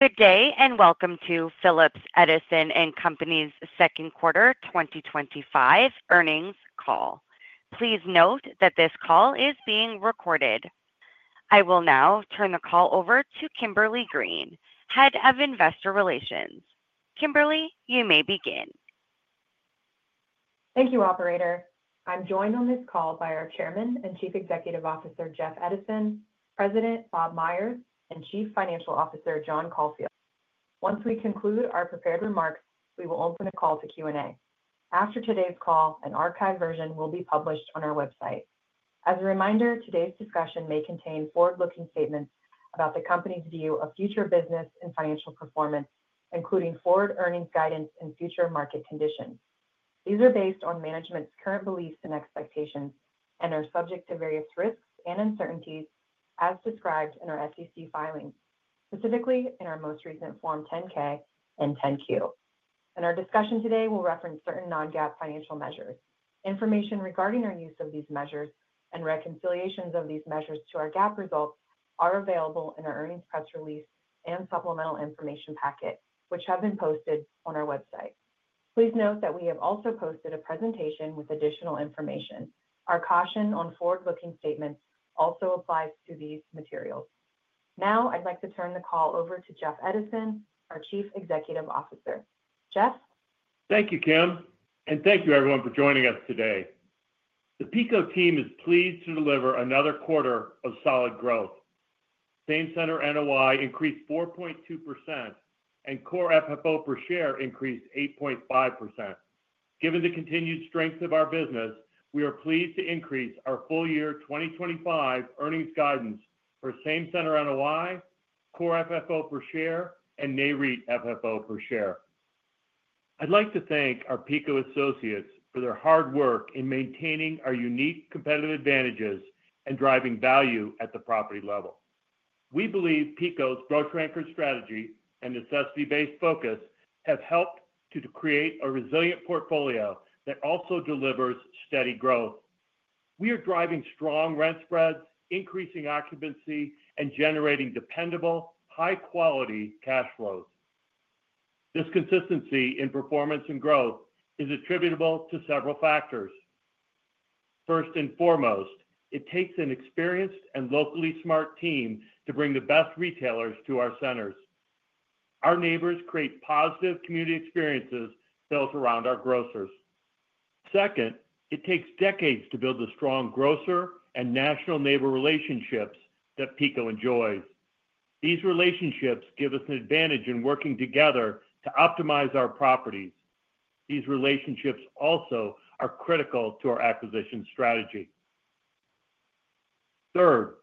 Good day, and welcome to Phillips Edison and Company's Second Quarter twenty twenty May Call. Please note that this call is being recorded. I will now turn the call over to Kimberly Green, Head of Investor Relations. Kimberly, you may begin. Thank you, operator. I'm joined on this call by our Chairman and Chief Executive Officer, Jeff Edison President, Bob Myers and Chief Financial Officer, John Caulfield. Once we conclude our prepared remarks, we will open the call to Q and A. After today's call, an archived version will be published on our website. As a reminder, today's discussion may contain forward looking statements about the company's view of future business and financial performance, including forward earnings guidance and future market conditions. These are based on management's current beliefs and expectations and are subject to various risks and uncertainties as described in our SEC filings, specifically in our most recent Form 10 ks and 10 Q. And our discussion today will reference certain non GAAP financial measures. Information regarding our use of these measures and reconciliations of these measures to our GAAP results are available in our earnings press release and supplemental information packet, which have been posted on our website. Please note that we have also posted a presentation with additional information. Our caution on forward looking statements also applies to these materials. Now I'd like to turn the call over to Jeff Edison, our Chief Executive Officer. Jeff? Thank you, Kim, and thank you everyone for joining us today. The PICO team is pleased to deliver another quarter of solid growth. Same center NOI increased 4.2% and core FFO per share increased 8.5%. Given the continued strength of our business, we are pleased to increase our full year 2025 earnings guidance for same center NOI, core FFO per share and NAREIT FFO per share. I'd like to thank our PICO associates for their hard work in maintaining our unique competitive advantages and driving value at the property level. We believe PICO's growth ranker strategy and necessity based focus have helped to create a resilient portfolio that also delivers steady growth. We are driving strong rent spreads, increasing occupancy and generating dependable, high quality cash flows. This consistency in performance and growth is attributable to several factors. First and foremost, it takes an experienced and locally smart team to bring the best retailers to our centers. Our neighbors create positive community experiences built around our grocers. Second, it takes decades to build the strong grocer and national neighbor relationships that Pico enjoys. These relationships give us an advantage in working together to optimize our properties. These relationships also are critical to our acquisition strategy. Third,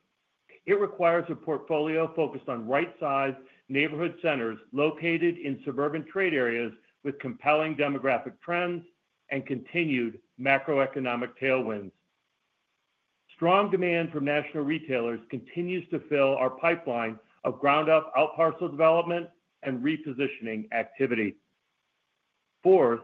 it requires a portfolio focused on right sized neighborhood centers located in suburban trade areas with compelling demographic trends and continued macroeconomic tailwinds. Strong demand from national retailers continues to fill our pipeline of ground up outparcel development and repositioning activity. Fourth,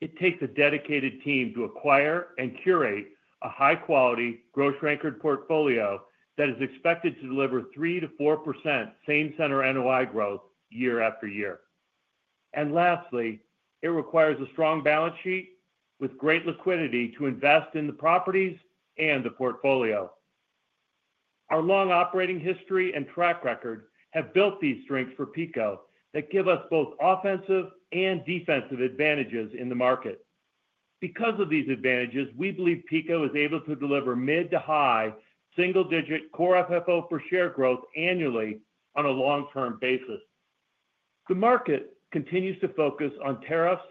it takes a dedicated team to acquire and curate a high quality grocery anchored portfolio that is expected to deliver 3% to 4% same center NOI growth year after year. And lastly, it requires a strong balance sheet with great liquidity to invest in the properties and the portfolio. Our long operating history and track record have built these strengths for PICO that give us both offensive and defensive advantages in the market. Because of these advantages, we believe PICO is able to deliver mid to high single digit core FFO per share growth annually on a long term basis. The market continues to focus on tariffs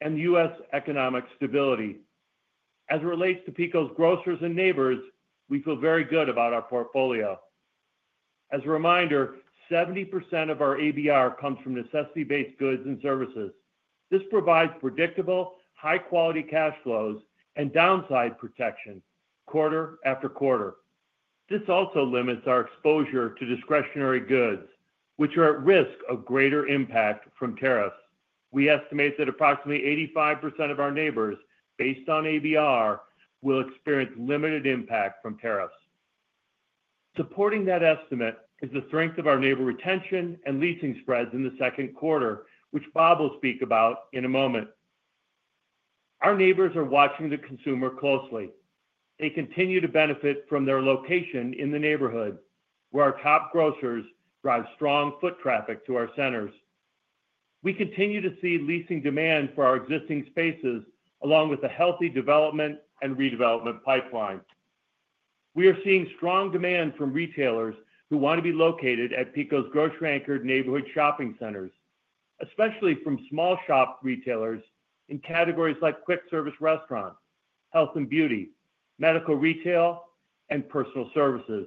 and U. S. Economic stability. As it relates to PECO's grocers and neighbors, we feel very good about our portfolio. As a reminder, 70% of our ABR comes from necessity based goods and services. This provides predictable, high quality cash flows and downside protection quarter after quarter. This also limits our exposure to discretionary goods, which are at risk of greater impact from tariffs. We estimate that approximately 85% of our neighbors based on ABR will experience limited impact from tariffs. Supporting that estimate is the strength of our neighbor retention and leasing spreads in the second quarter, which Bob will speak about in a moment. Our neighbors are watching the consumer closely. They continue to benefit from their location in the neighborhood where our top grocers drive strong foot traffic to our centers. We continue to see leasing demand for our existing spaces along with a healthy development and redevelopment pipeline. We are seeing strong demand from retailers who want to be located at Pico's grocery anchored neighborhood shopping centers, especially from small shop retailers in categories like quick service restaurant, health and beauty, medical retail and personal services.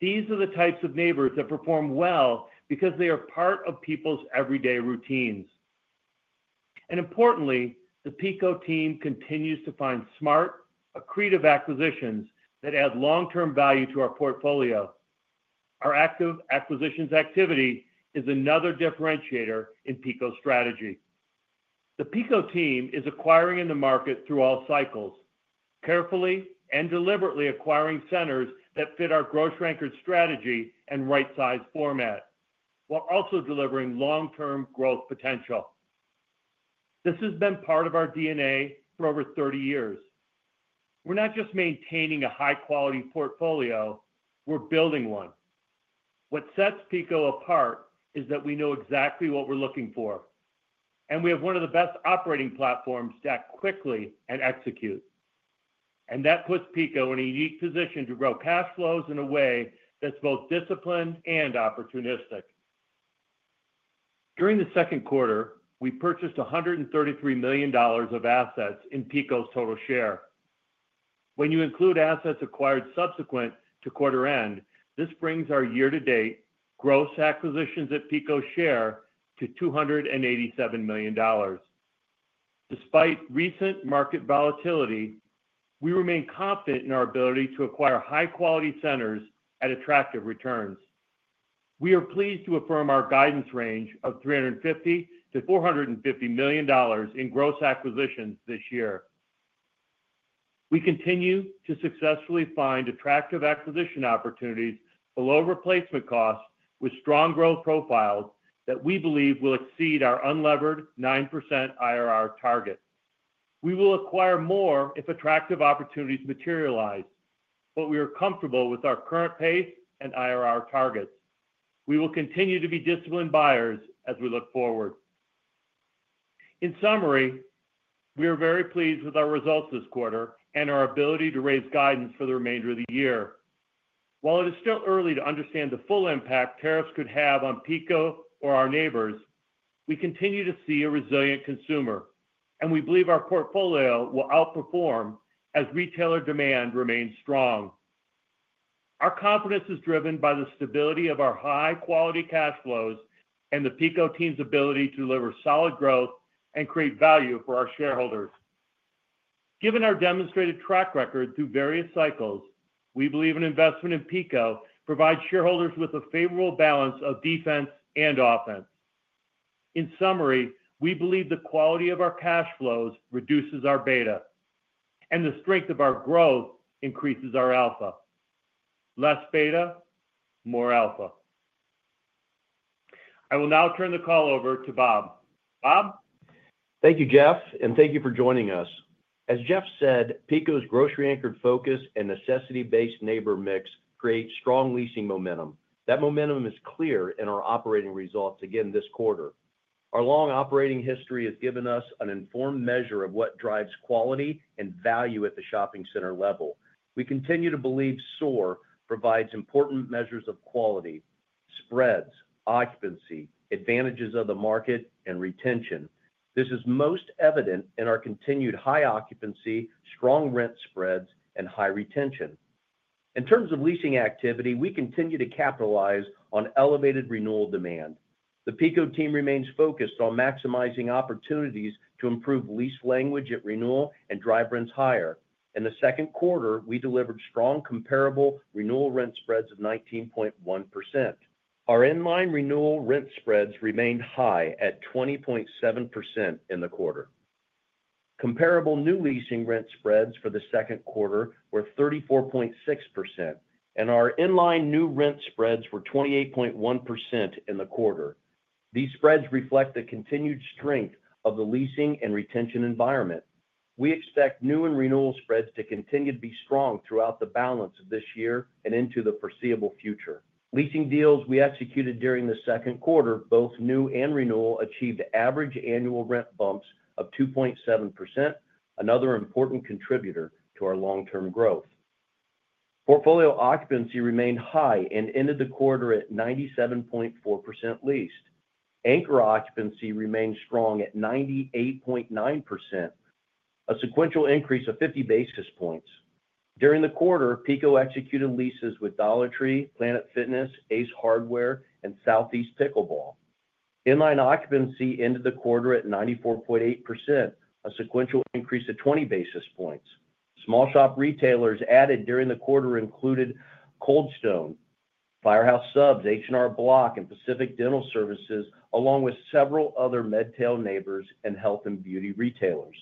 These are the types of neighbors that perform well because they are part of people's everyday routines. And importantly, the PICO team continues to find smart, accretive acquisitions that add long term value to our portfolio. Our active acquisitions activity is another differentiator in PICO's strategy. The PICO team is acquiring in the market through all cycles, carefully and deliberately acquiring centers that fit our growth ranker strategy and right size format, while also delivering long term growth potential. This has been part of our DNA for over thirty years. We're not just maintaining a high quality portfolio, we're building one. What sets apart is that we know exactly what we're looking for, and we have one of the best operating platforms stacked quickly and execute. And that puts PICO in a unique position to grow cash flows in a way that's both disciplined and opportunistic. During the second quarter, we purchased $133,000,000 of assets in PICO's total share. When you include assets acquired subsequent to quarter end, this brings our year to date gross acquisitions at PICO share to $287,000,000 Despite recent market volatility, we remain confident in our ability to acquire high quality centers at attractive returns. We are pleased to affirm our guidance range of $350,000,000 to $450,000,000 in gross acquisitions this year. We continue to successfully find attractive acquisition opportunities below replacement costs with strong growth profiles that we believe will exceed our unlevered 9% IRR target. We will acquire more if attractive opportunities materialize, but we are comfortable with our current pace and IRR targets. We will continue to be disciplined buyers as we look forward. In summary, we are very pleased with our results this quarter and our ability to raise guidance for the remainder of the year. While it is still early to understand the full impact tariffs could have on PECO or our neighbors, we continue to see a resilient consumer and we believe our portfolio will outperform as retailer demand remains strong. Our confidence is driven by the stability of our high quality cash flows and the PICO team's ability to deliver solid growth and create value for our shareholders. Given our demonstrated track record through various cycles, we believe an investment in PICO provides shareholders with a favorable balance of defense and offense. In summary, we believe the quality of our cash flows reduces our beta and the strength of our growth increases our alpha. Less beta, more alpha. I will now turn the call over to Bob. Bob? Thank you, Jeff, and thank you for joining us. As Jeff said, PECO's grocery anchored focus and necessity based neighbor mix creates strong leasing momentum. That momentum is clear in our operating results again this quarter. Our long operating history has given us an informed measure of what drives quality and value at the shopping center level. We continue to believe SOAR provides important measures of quality, spreads, occupancy, advantages of the market and retention. This is most evident in our continued high occupancy, strong rent spreads and high retention. In terms of leasing activity, we continue to capitalize on elevated renewal demand. The PICO team remains focused on maximizing opportunities to improve lease language at renewal and drive rents higher. In the second quarter, we delivered strong comparable renewal rent spreads of 19.1%. Our in line renewal rent spreads remained high at 20.7% in the quarter. Comparable new leasing rent spreads for the second quarter were 34.6 and our in line new rent spreads were 28.1% in the quarter. These spreads reflect the continued strength of the leasing and retention environment. We expect new and renewal spreads to continue to be strong throughout the balance of this year and into the foreseeable future. Leasing deals we executed during the second quarter both new and renewal achieved average annual rent bumps of 2.7%, another important contributor to our long term growth. Portfolio occupancy remained high and ended the quarter at 97.4% leased. Anchor occupancy remained strong at 98.9%, a sequential increase of 50 basis points. During the quarter, Pico executed leases with Dollar Tree, Planet Fitness, Ace Hardware, and Southeast Pickleball. In line occupancy ended the quarter at 94.8%, a sequential increase of 20 basis points. Small shop retailers added during the quarter included Cold Stone, Firehouse Subs, H and R Block and Pacific Dental Services along with several other Medtail neighbors and health and beauty retailers.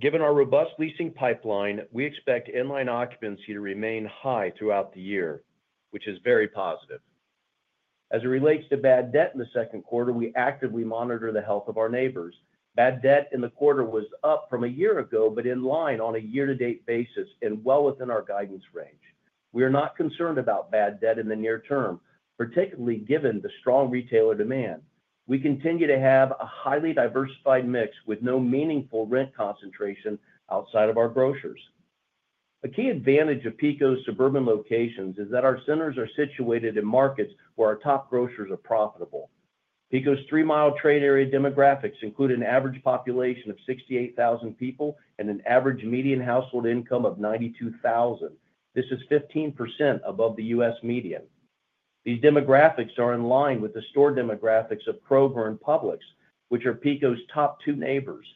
Given our robust leasing pipeline, we expect in line occupancy to remain high throughout the year, which is very positive. As it relates to bad debt in the second quarter, we actively monitor the health of our neighbors. Bad debt in the quarter was up from a year ago, but in line on a year to date basis and well within our guidance range. We are not concerned about bad debt in the near term, particularly given the strong retailer demand. We continue to have a highly diversified mix with no meaningful rent concentration outside of our grocers. A key advantage of Pico's suburban locations is that our centers are situated in markets where our top grocers are profitable. Because three mile trade area demographics include an average population of 68,000 people and an average median household income of 92,000. This is 15% above The US median. These demographics are in line with the store demographics of Kroger and Publix, which are PECO's top two neighbors.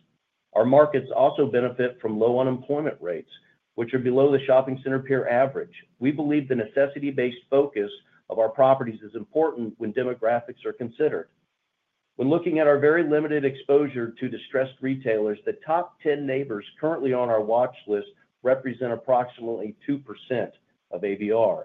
Our markets also benefit from low unemployment rates, which are below the shopping center peer average. We believe the necessity based focus of our properties is important when demographics are considered. When looking at our very limited exposure to distressed retailers, the top 10 neighbors currently on our watch list represent approximately 2% of ABR.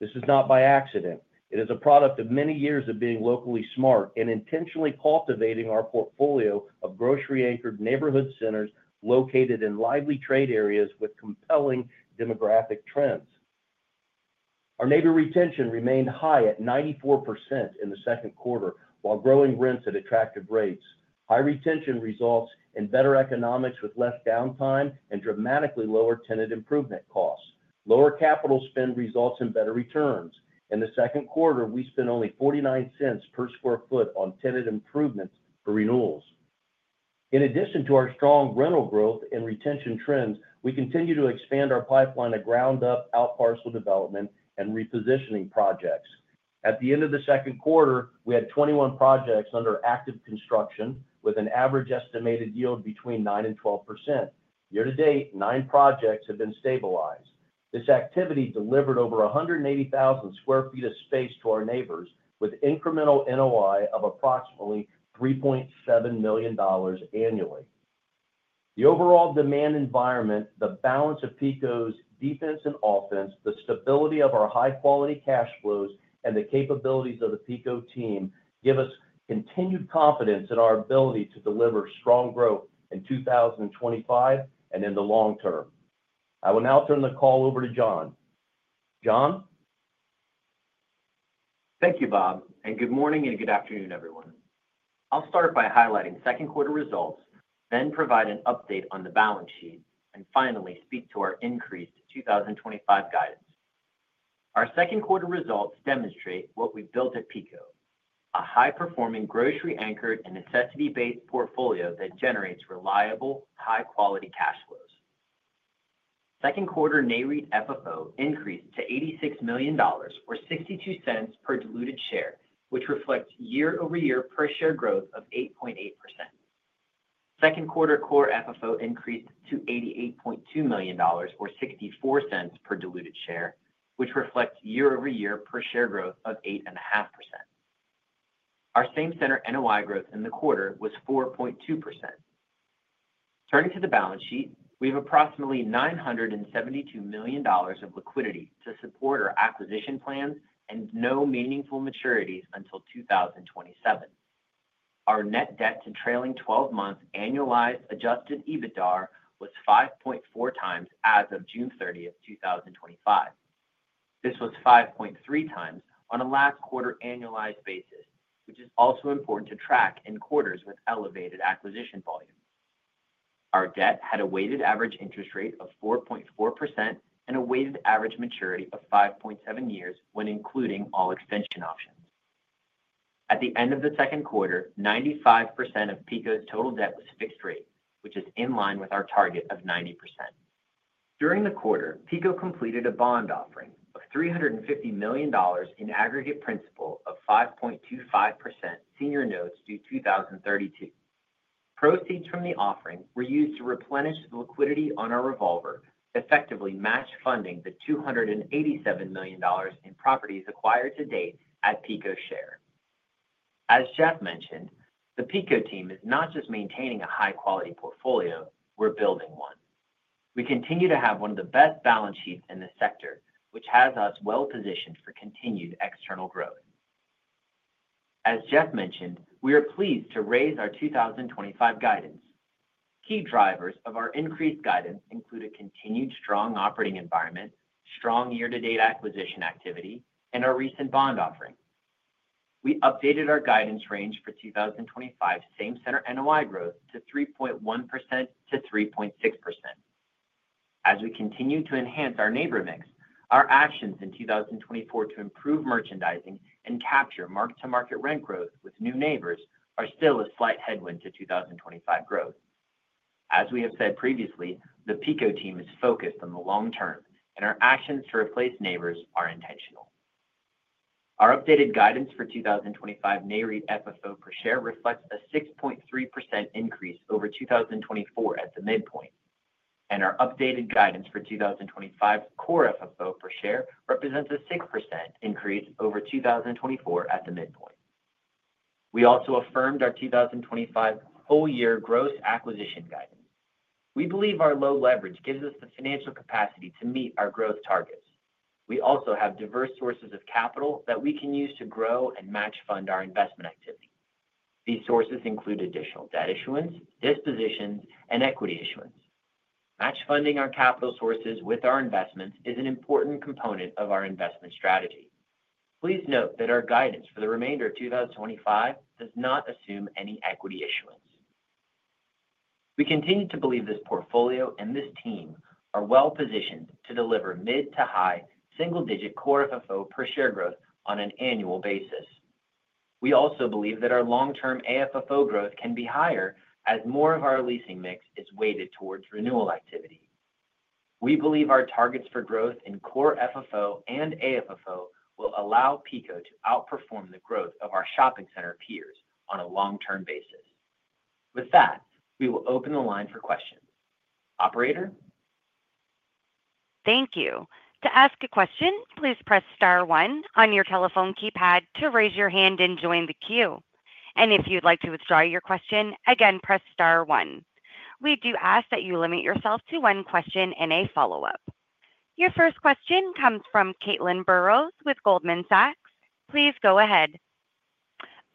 This is not by accident. It is a product of many years of being locally smart and intentionally cultivating our portfolio of grocery anchored neighborhood centers located in lively trade areas with compelling demographic trends. Our neighbor retention remained high at 94 in the second quarter while growing rents at attractive rates. High retention results in better economics with less downtime and dramatically lower tenant improvement costs. Lower capital spend results in better returns. In the second quarter, we spent only $0.49 per square foot on tenant improvements for renewals. In addition to our strong rental growth and retention trends, we continue to expand our pipeline of ground up outparcel development and repositioning projects. At the end of the second quarter, we had 21 projects under active construction with an average estimated yield between 912%. Year to date, nine projects have been stabilized. This activity delivered over a 180,000 square feet of space to our neighbors with incremental NOI of approximately $3,700,000 annually. The overall demand environment, the balance of PICO's defense and offense, the stability of our high quality cash flows and the capabilities of the PICO team give us continued confidence in our ability to deliver strong growth in 2025 and in the long term. I will now turn the call over to John. John? Thank you, Bob, and good morning and good afternoon, everyone. I'll start by highlighting second quarter results, then provide an update on the balance sheet, and finally speak to our increased 2025 guidance. Our second quarter results demonstrate what we've built at PICO, a high performing grocery anchored and necessity based portfolio that generates reliable, high quality cash flows. Second quarter NAREIT FFO increased to $86,000,000 or $0.62 per diluted share, which reflects year over year per share growth of 8.8%. Second quarter core FFO increased to $88,200,000 or zero six four dollars per diluted share, which reflects year over year per share growth of 8.5%. Our same center NOI growth in the quarter was 4.2%. Turning to the balance sheet. We have approximately $972,000,000 of liquidity to support our acquisition plans and no meaningful maturities until 2027. Our net debt to trailing twelve month annualized adjusted EBITDAR was 5.4 times as of 06/30/2025. This was 5.3 times on a last quarter annualized basis, which is also important to track in quarters with elevated acquisition volume. Our debt had a weighted average interest rate of 4.4% and a weighted average maturity of five point seven years when including all extension options. At the end of the second quarter, 95% of PICO's total debt was fixed rate, which is in line with our target of 90%. During the quarter, PICO completed a bond offering principal of 5.25% senior notes due 02/1932. Proceeds from the offering were used to replenish the liquidity on our revolver, effectively match funding the $287,000,000 in properties acquired to date at PICO share. As Jeff mentioned, the PICO team is not just maintaining a high quality portfolio, we're building one. We continue to have one of the best balance sheets in the sector, which has us well positioned for continued external growth. As Jeff mentioned, we are pleased to raise our 2025 guidance. Key drivers of our increased guidance include a continued strong operating environment, strong year to date acquisition activity, and our recent bond offering. We updated our guidance range for 2025 same center NOI growth to 3.1% to 3.6%. As we continue to enhance our neighbor mix, our actions in 2024 to improve merchandising and capture mark to market rent growth with new neighbors are still a slight headwind to 2025 growth. As we have said previously, the PICO team is focused on the long term, and our actions to replace neighbors are intentional. Our updated guidance for 2025 NAREIT FFO per share reflects a 6.3% increase over 2024 at the midpoint, and our updated guidance for 2025 core FFO share represents a 6% increase over 2024 at the midpoint. We also affirmed our 2025 full year gross acquisition guidance. We believe our low leverage gives us the financial capacity to meet our growth targets. We also have diverse sources of capital that we can use to grow and match fund our investment activity. These sources include additional debt issuance, dispositions, and equity issuance. Match funding our capital sources investments is an important component of our investment strategy. Please note that our guidance for the remainder of 2025 does not assume any equity issuance. We continue to believe this portfolio and this team are well positioned to deliver mid to high single digit core FFO per share growth on an annual basis. We also believe that our long term AFFO growth can be higher as more of our leasing mix is weighted towards renewal activity. We believe our targets for growth in core FFO and AFFO will allow PICO to outperform the growth of our shopping center peers on a long term basis. With that, we will open the line for questions. Operator? Thank Your first question comes from Caitlin Burrows with Goldman Sachs. Please go ahead.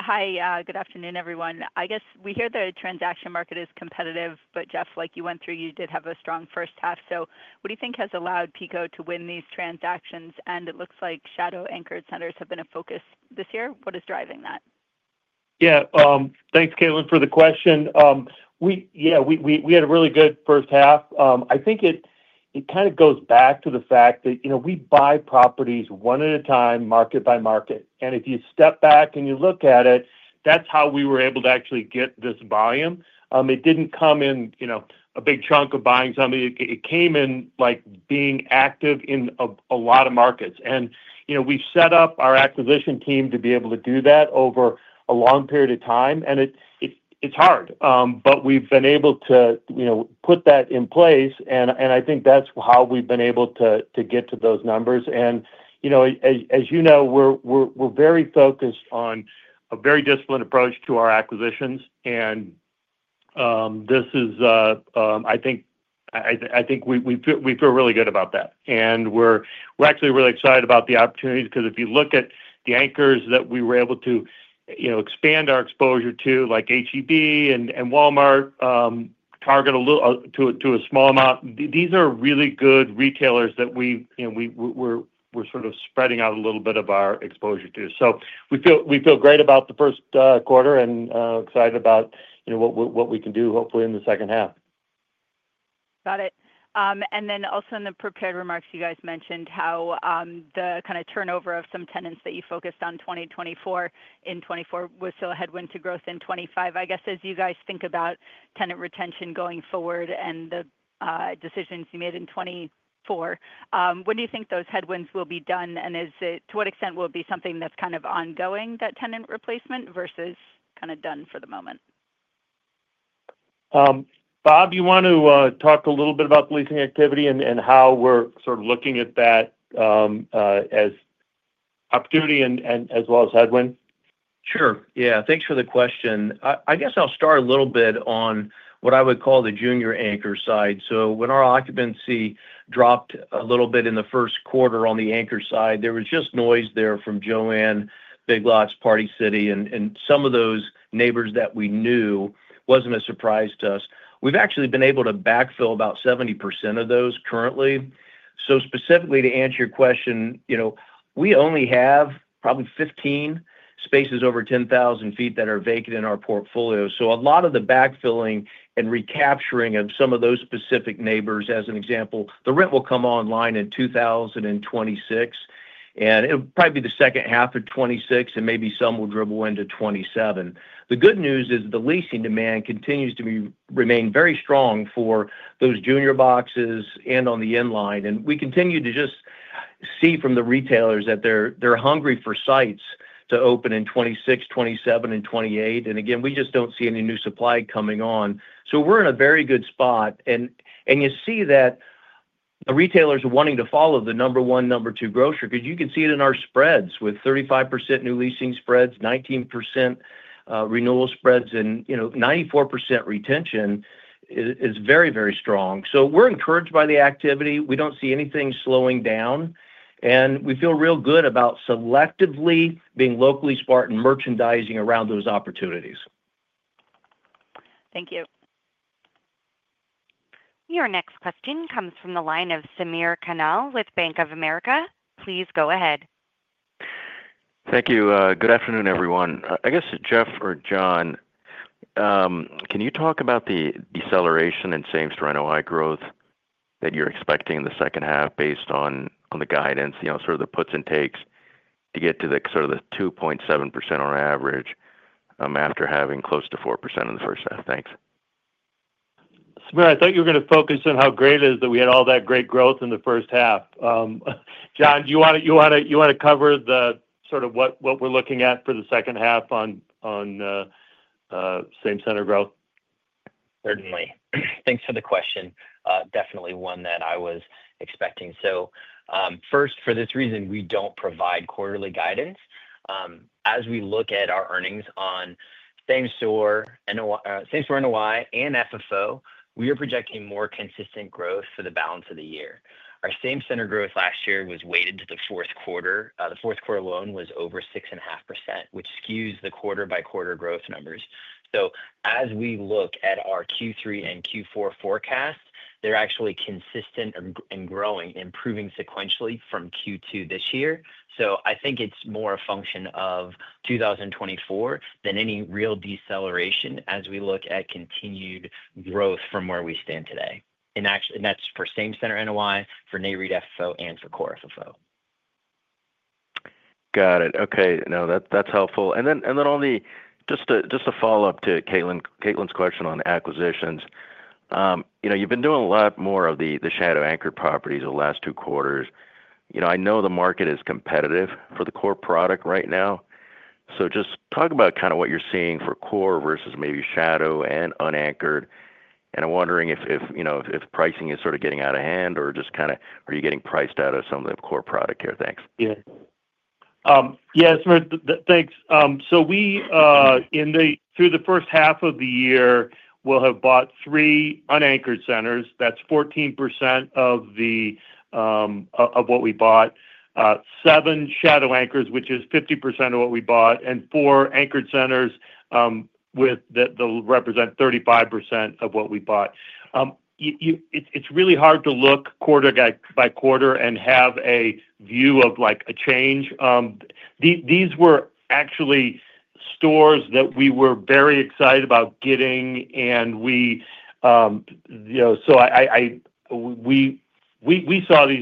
Hi, good afternoon everyone. I guess we hear the transaction market is competitive, but Jeff like you went through you did have a strong first half. So what do you think has allowed PICO to win these transactions? And it looks like shadow anchored centers have been a focus this year. What is driving that? Yes. Thanks Caitlin for the question. We yes, we had a really good first half. I think it kind of goes back to the fact that we buy properties one at a time market by market. And if you step back and you look at it, that's how we were able to actually get this volume. It didn't come in a big chunk of buying something. It came in like being active in a lot of markets. And we've set up our acquisition team to be able to do that over a long period of time, and it's hard, but we've been able to put that in place. And I think that's how we've been able to get to those numbers. And as you know, we're very focused on a very disciplined approach to our acquisitions. And this is I think we feel really good about that. And we're actually really excited about the opportunities because if you look at the anchors that we were able expand our exposure to like H E B and Walmart, Target to a small amount, these are really good retailers that we're sort of spreading out a little bit of our exposure to. So we feel great about the first quarter and excited about what we can do hopefully in the second half. Got it. And then also in the prepared remarks, guys mentioned how the kind of turnover of some tenants that you focused on 2024 in '24 was still a headwind to growth in '25. I guess, as you guys think about tenant retention going forward and the, decisions you made in '24, when do you think those headwinds will be done? And is it to what extent will it be something that's kind of ongoing that tenant replacement versus kind of done for the moment? Bob, you want to talk a little bit about leasing activity and how we're sort of looking at that as opportunity and as well as headwind? Sure. Yes. Thanks for the question. I guess I'll start a little bit on what I would call the junior anchor side. So when our occupancy dropped a little bit in the first quarter on the anchor side, there was just noise there from Joanne, Big Lots, Party City and some of those neighbors that we knew wasn't a surprise to us. We've actually been able to backfill about 70% of those currently. So specifically to answer your question, we only have probably 15 spaces over 10,000 feet that are vacant in our portfolio. So a lot of the backfilling and recapturing of some of those specific neighbors, an example, the rent will come online in 2026. And it will probably be the 2026 and maybe some will dribble into 2027. The good news is the leasing demand continues to remain very strong for those junior boxes and on the in line. And we continue to just see from the retailers that they're hungry for sites to open in 2026, 2027 and 2028. And again, we just don't see any new supply coming on. So we're in a very good spot. And you see that the retailers are wanting to follow the number one, number two grocer because you can see it in our spreads with 35% new leasing spreads, 19% renewal spreads and 94% retention is very, very strong. So we're encouraged by the activity. We don't see anything slowing down. And we feel real good about selectively being locally smart and merchandising around those opportunities. Thank you. Your next question comes from the line of Sameer Kannal with Bank of America. Please go ahead. Thank you. Good afternoon, everyone. I guess, Jeff or John, can you talk about the deceleration in same store NOI growth that you're expecting in the second half based on the guidance sort of the puts and takes to get to the sort of the 2.7% on average after having close to 4% in the first half? Thanks. Samir, I thought you were going to focus on how great it is that we had all that great growth in the first half. John, do you to cover the sort of what we're looking at for the second half on same center growth? Certainly. Thanks for the question. Definitely one that I was expecting. So, first, for this reason, we don't provide quarterly guidance. As we look at our earnings on same store NOI and FFO, we are projecting more consistent growth for the balance of the year. Our same center growth last year was weighted to the fourth quarter. The fourth quarter alone was over 6.5%, which skews the quarter by quarter growth numbers. So as we look at our q three and q four forecast, they're actually consistent and growing, improving sequentially from q two this year. So I think it's more a function of 2024 than any real deceleration as we look at continued growth from where we stand today. And actually and that's for same center NOI for NAREIT FFO and for Core FFO. Got it. Okay. No, that's helpful. And then on the just a follow-up to Caitlin's question on acquisitions. You've been doing a lot more of the shadow anchored properties over the last two quarters. I know the market is competitive for the core product right now. So just talk about kind of what you're seeing for core versus maybe shadow and unanchored. And I'm wondering if pricing is sort of getting out of hand or just kind of are you getting priced out of some of the core product here? Thanks. Thanks. So we in the through the first half of the year, we'll have bought three unanchored centers. That's 14% of what we bought, seven shadow anchors, which is 50% of what we bought and four anchored centers with that represent 35% of what we bought. It's really hard to look quarter by quarter and have a view of like a change. These were actually stores that we were very excited about getting and we saw these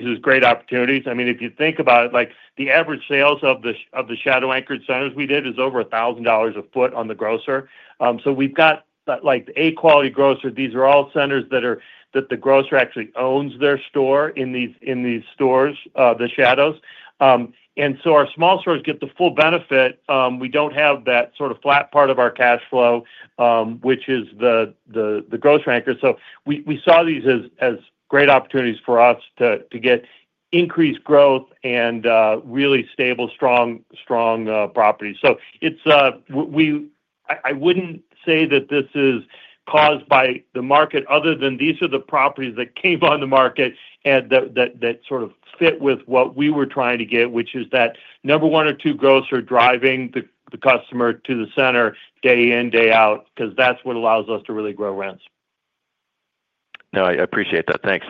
as great opportunities. I mean, you think about it, like the average sales of the shadow anchored centers we did is over $1,000 a foot on the grocer. So we've got like A quality grocer, these are all centers that are that the grocer actually owns their store in these stores, the shadows. And so our small stores get the full benefit. We don't have that sort of flat part of our cash flow, which is growth ranker. So we saw these as great opportunities for us to get increased growth and really stable strong properties. So it's we I wouldn't say that this is caused by the market other than these are the properties that came on the market and that sort of fit with what we were trying to get, which is that number one or two growths are driving the customer to the center day in, out because that's what allows us to really grow rents. No, I appreciate that. Thanks.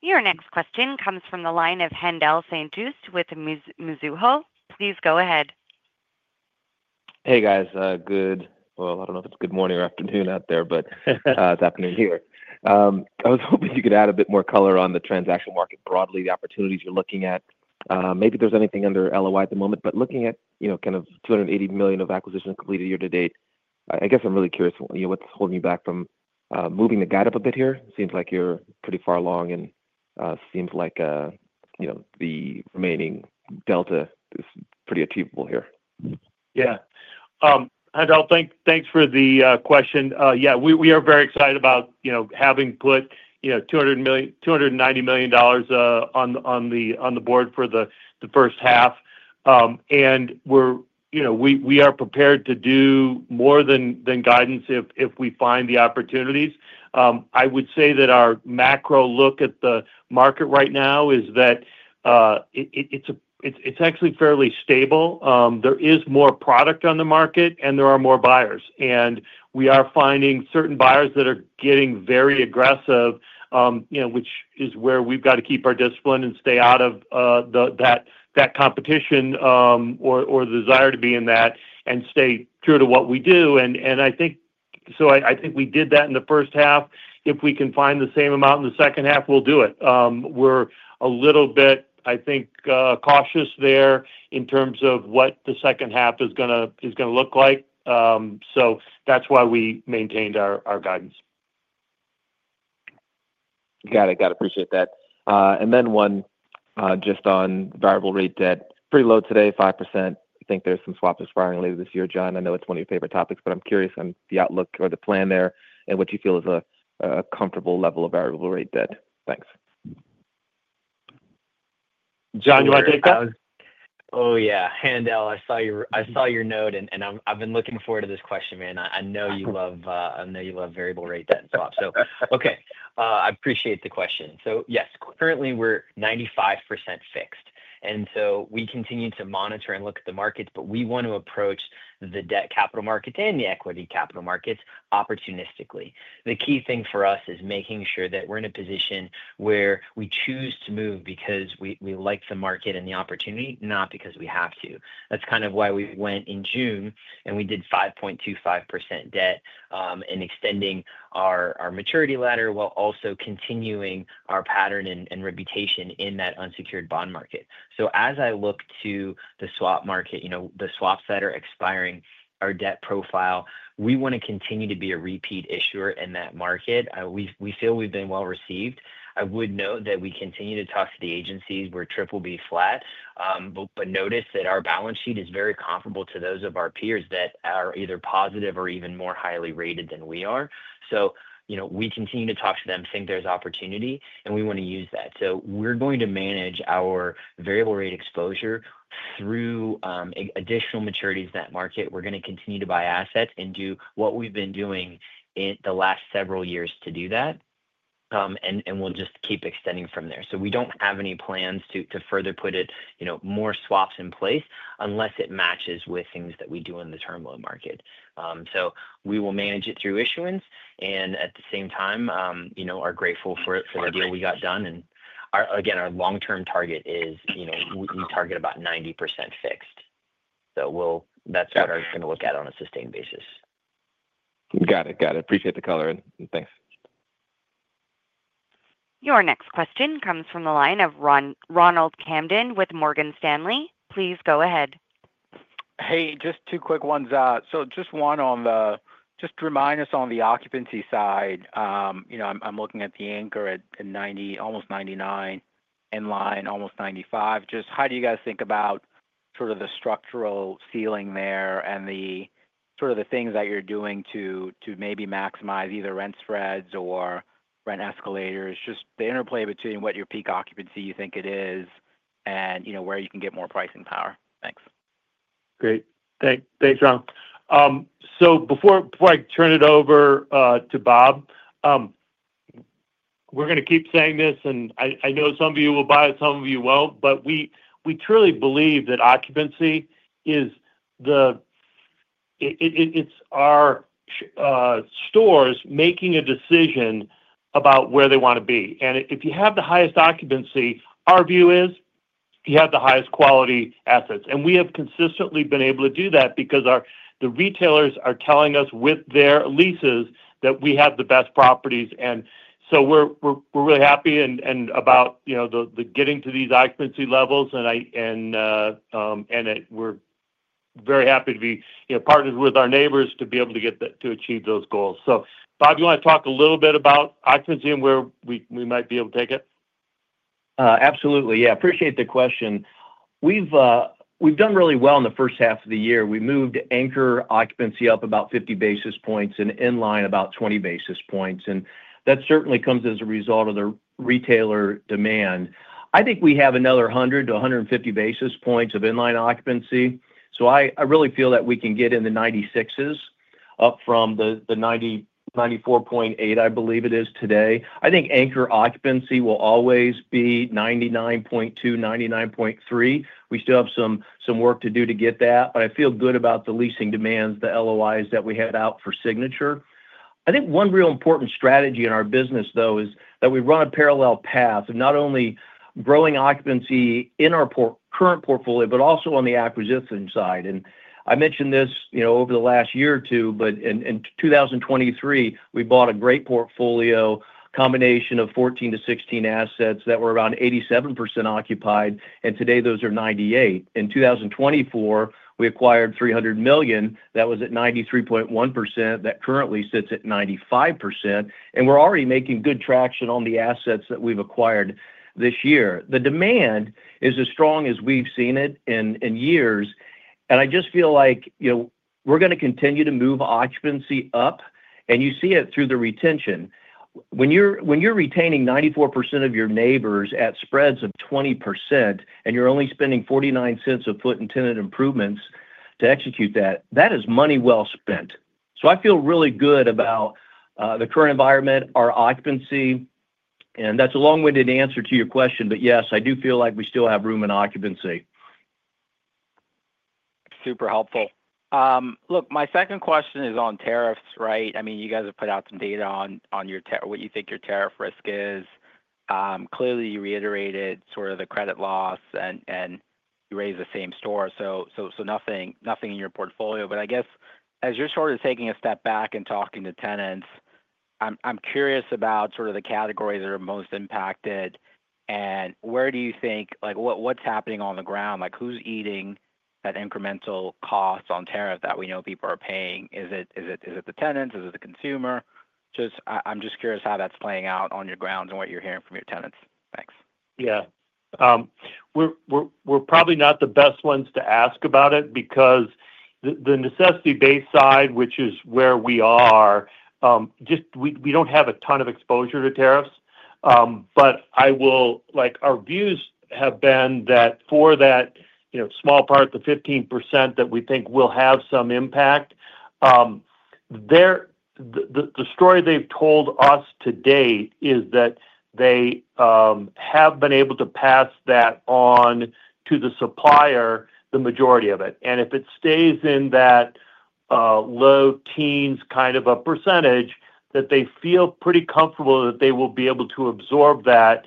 Your next question comes from the line of Haendel St. Juste with Mizuho. Please go ahead. Hey guys, good. Well, I don't know if it's good morning or afternoon out there, but it's afternoon here. I was hoping you could add a bit more color on the transaction market broadly, the opportunities you're looking at. Maybe there's anything under LOI at the moment, but looking at kind of $280,000,000 of acquisitions completed year to date, I guess I'm really curious what's holding you back from moving the guide up a bit here? It seems like you're pretty far along and seems like the remaining delta is pretty achievable here. Haendel, thanks for the question. Yes, we are very excited about having put $290,000,000 on the board for the first half. And we are prepared to do more than guidance if we find the opportunities. I would say that our macro look at the market right now is it's actually fairly stable. There is more product on the market and there are more buyers. And we are finding certain buyers that are getting very aggressive, which is where we've got to keep our discipline and stay out of that competition or desire to be in that and stay true to what we do. I think so I think we did that in the first half. If we can find the same amount in the second half, we'll do it. We're a little bit, I think, cautious there in terms of what the second half is going to look like. So that's why we maintained our guidance. Got it. Got it. Appreciate that. And then one, just on variable rate debt, pretty low today, 5%. I think there's some swaps expiring later this year, John. I know it's one of your favorite topics, but I'm curious on the outlook or the plan there and what you feel is a comfortable level of variable rate debt. Thanks. John, do want to take that? Yeah. Haendel, I saw your I saw your note, and and I'm I've been looking forward to this question, man. I I know you love, I know you love variable rate debt. So so okay. I appreciate the question. So, yes, currently, we're 95% fixed. And so we continue to monitor and look at the markets, but we want to approach the debt capital market and the equity capital markets opportunistically. The key thing for us is making sure that we're in a position where we choose to move because we we like the market and the opportunity, not because we have to. That's kind of why we went in June, and we did 5.25% debt and extending our our maturity ladder while also continuing our pattern and and reputation in that unsecured bond market. So as I look to the swap market, you know, the swaps that are expiring our debt profile, we wanna continue to be a repeat issuer in that market. We we feel we've been well received. I would note that we continue to talk to the agencies where triple b flat, but but notice that our balance sheet is very comparable to those of our peers that are either positive or even more highly rated than we are. So, you know, we continue to talk to them, think there's opportunity, and we wanna use that. So we're going to manage our variable rate exposure through, additional maturities in that market. We're gonna continue to buy assets and do what we've been doing in the last several years to do that, and and we'll just keep extending from there. So we don't have any plans to to further put it, you know, more swaps in place unless it matches with things that we do in the term loan market. So we will manage it through issuance and at the same time, you know, are grateful for for the deal we got done. And our again, our long term target is, you know, we we target about 90% fixed. So we'll that's what I was gonna look at on a sustained basis. Got it. Got it. Appreciate the color. Thanks. Your next question comes from the line of Ronald Kamdem with Morgan Stanley. Please go ahead. Hey, just two quick ones. So just one on the just remind us on the occupancy side, I'm looking at the anchor at 90 almost 99 in line almost 95. Just how do you guys think about sort of the structural ceiling there and the sort of the things that you're doing to maybe maximize either rent spreads or rent escalators, just the interplay between what your peak occupancy you think it is and where you can get more pricing power? Thanks. Great. Thanks, John. So before I turn it over to Bob, we're going to keep saying this, and I know some of you will buy it, some of you won't. But we truly believe that occupancy is the it's our stores making a decision about where they want to be. And if you have the highest occupancy, our view is you have the highest quality assets. And we have consistently been able to do that because our the retailers are telling us with their leases that we have the best properties. And so we're we're we're really happy and and about, you know, the the getting to these occupancy levels, and I and we're very happy to be, you know, partnered with our neighbors to be able to get the to achieve those goals. So, Bob, do you want to talk a little bit about occupancy and where we might be able to take it? Absolutely. Yes, I appreciate the question. We've done really well in the first half of the year. We moved anchor occupancy up about 50 basis points and in line about 20 And that certainly comes as a result of the retailer demand. I think we have another 100 basis to 150 basis points of in line occupancy. So I really feel that we can get in the 96s up from the 94.8%, I believe it is today. I think anchor occupancy will always be 99.2%, 99.3%. We still have some work to do to get that. But I feel good about the leasing demands, the LOIs that we had out for Signature. I think one real important strategy in our business though is that we run a parallel path of not only growing occupancy in our current portfolio, but also on the acquisition side. And I mentioned this over the last year or two, but in 2023, we bought a great portfolio combination of 14 to 16 assets that were around 87% occupied and today those are 98. In 2024, we acquired $300,000,000 that was at 93.1%, that currently sits at 95, and we're already making good traction on the assets that we've acquired this year. The demand is as strong as we've seen it in years. And I just feel like we're going to continue to move occupancy up, and you see it through the retention. When you're retaining 94% of your neighbors at spreads of 20% and you're only spending $0.49 a foot in tenant improvements to execute that, that is money well spent. So I feel really good about the current environment, our occupancy. And that's a long winded answer to your question. But yes, I do feel like we still have room in occupancy. Super helpful. Look, my second question is on tariffs, right? I mean, you guys have put out some data on your what you think your tariff risk is. Clearly, you reiterated sort of the credit loss and you raised the same store. So nothing in your portfolio. But I guess, as you're sort of taking a step back and talking to tenants, I'm curious about sort of the categories that are most impacted. And where do you think like what's happening on the ground? Who's eating that incremental cost on tariff that we know people are paying? Is it the tenants? Is it the consumer? Just I'm just curious how that's playing out on your grounds and what you're hearing from your tenants? Thanks. Yes. We're probably not the best ones to ask about it because the necessity based side, which is where we are, just we don't have a ton of exposure to tariffs. But I will like our views have been that for that small part, the 15% that we think will have some impact, the story they've told us to date is that they have been able to pass that on to the supplier the majority of it. And if it stays in that low teens kind of a percentage that they feel pretty comfortable that they will be able to absorb that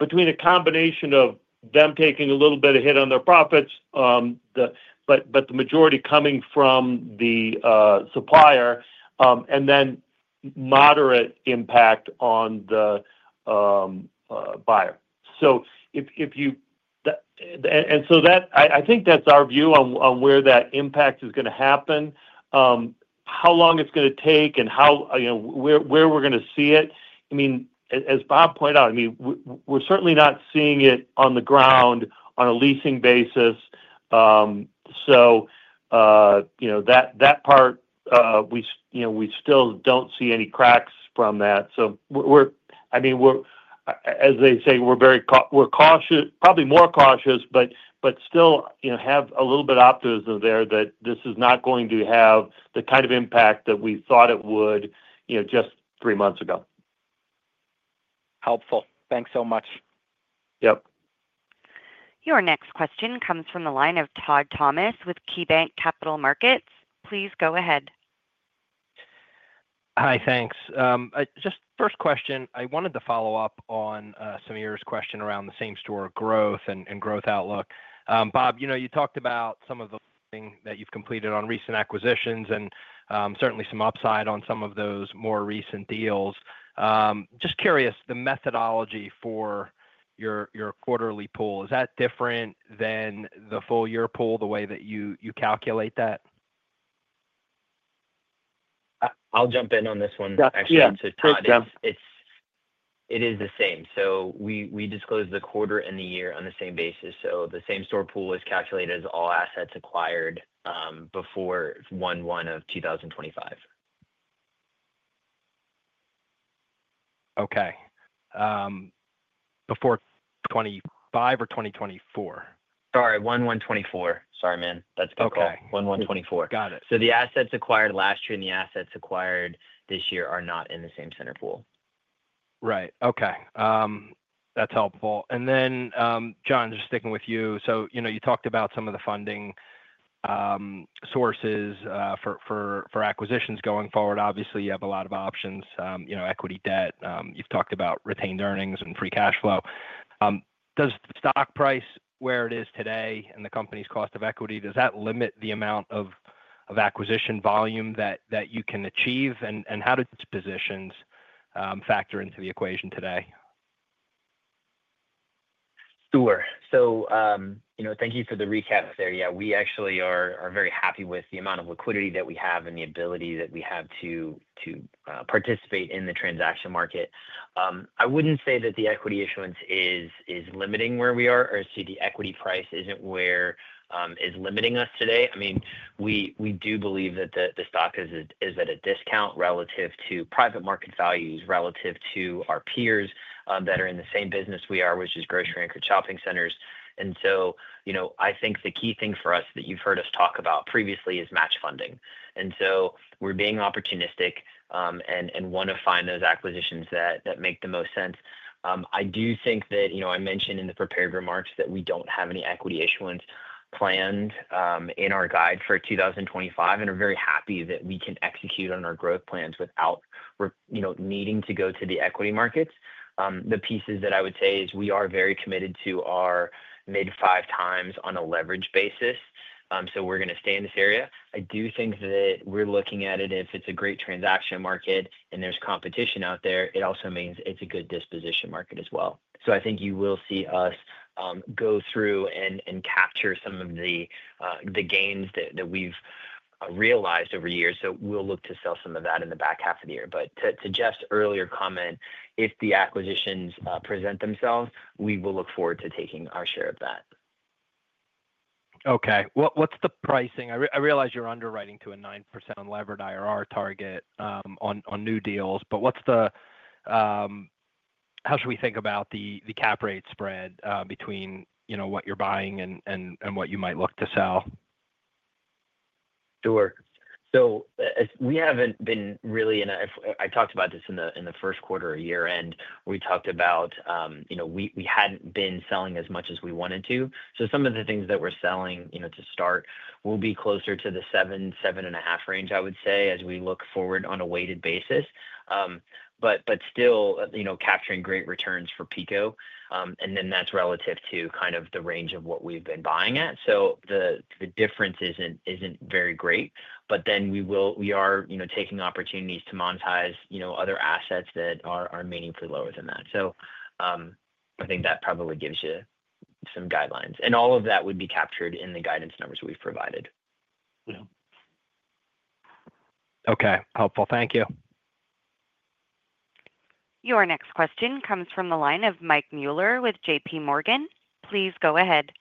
between a combination of them taking a little bit of hit on their profits, but the majority coming from the supplier and then moderate impact on the buyer. If you and so that I think that's our view on where that impact is going to happen, How long it's going to take and how where we're going to see it? I mean, as Bob pointed out, I mean, we're certainly not seeing it on the ground on a leasing basis. That part, we still don't see any cracks from that. So we're I mean, we're as they say, we're very cautious probably more cautious, but still have a little bit of optimism there that this is not going to have the kind of impact that we thought it would just three months ago. Helpful. Thanks so much. Yep. Your next question comes from the line of Todd Thomas with KeyBanc Capital Markets. Please go ahead. Hi, thanks. Just first question, I wanted to follow-up on Sameer's question around the same store growth and growth outlook. Bob, you talked about some of the things that you've completed on recent acquisitions and certainly some upside on some of those more recent deals. Just curious, the methodology for your your quarterly pull, is that different than the full year pull the way that you you calculate that? I'll jump in on this one. Yeah. Todd, it's it's it is the same. So we we disclose the quarter and the year on the same basis. So the same store pool is calculated as all assets acquired, before January 1. Okay. Before '25 or 2024? Sorry. 01/01/2024. Sorry, man. That's difficult. 01/01/2024. Got it. So the assets acquired last year and the assets acquired this year are not in the same center pool. Right. Okay. That's helpful. And then, John, just sticking with you. So you talked about some of the funding sources for acquisitions going forward. Obviously, you have a lot of options, equity debt. You've talked about retained earnings and free cash flow. Does the stock price where it is today and the company's cost of equity, does that limit the amount of acquisition volume that you can achieve? And how do these positions factor into the equation today? Sure. So, you know, thank you for the recap there. Yeah. We actually are are very happy with the amount of liquidity that we have and the ability that we have to to, participate in the transaction market. I wouldn't say that the equity issuance is is limiting where we are or see the equity price isn't where, is limiting us today. I mean, we we do believe that the the stock is is at a discount relative to private market values, relative to our peers, that are in the same business we are, which is grocery anchored shopping centers. And so, you know, I think the key thing for us that you've heard us talk about previously is match funding. And so we're being opportunistic, and and wanna find those acquisitions that that make the most sense. I do think that, you know, I mentioned in the prepared remarks that we don't have any equity issuance planned, in our guide for 2025 and are very happy that we can execute on our growth plans without, you know, needing to go to the equity markets. The pieces that I would say is we are very committed to our mid five times on a leverage basis. So we're gonna stay in this area. I do think that we're looking at it if it's a great transaction market and there's competition out there. It also means it's a good disposition market as well. So I think you will see us, go through and and capture some of the, the gains that that we've realized over the years. So we'll look to sell some of that in the back half of the year. But to Jeff's earlier comment, if the acquisitions present themselves, we will look forward to taking our share of that. Okay. What's the pricing? I realize you're underwriting to a 9% unlevered IRR target, on on new deals, but what's the, how should we think about the the cap rate spread, between what you're buying and what you might look to sell? Sure. So we haven't been really I talked about this in first quarter or year end. We talked about, we hadn't been selling as much as we wanted to. So some of the things that we're selling, you know, to start will be closer to the $7.07 and a half range, I would say, as we look forward on a weighted basis. But but still, you know, capturing great returns for PECO. And then that's relative to kind of the range of what we've been buying at. So the the difference isn't isn't very great, but then we will we are, you know, taking opportunities to monetize, you know, other assets that are are meaningfully lower than that. So I think that probably gives you some guidelines. And all of that would be captured in the guidance numbers we've provided. Okay. Helpful. Thank you. Your next question comes from the line of Mike Mueller with JPMorgan. Please go ahead.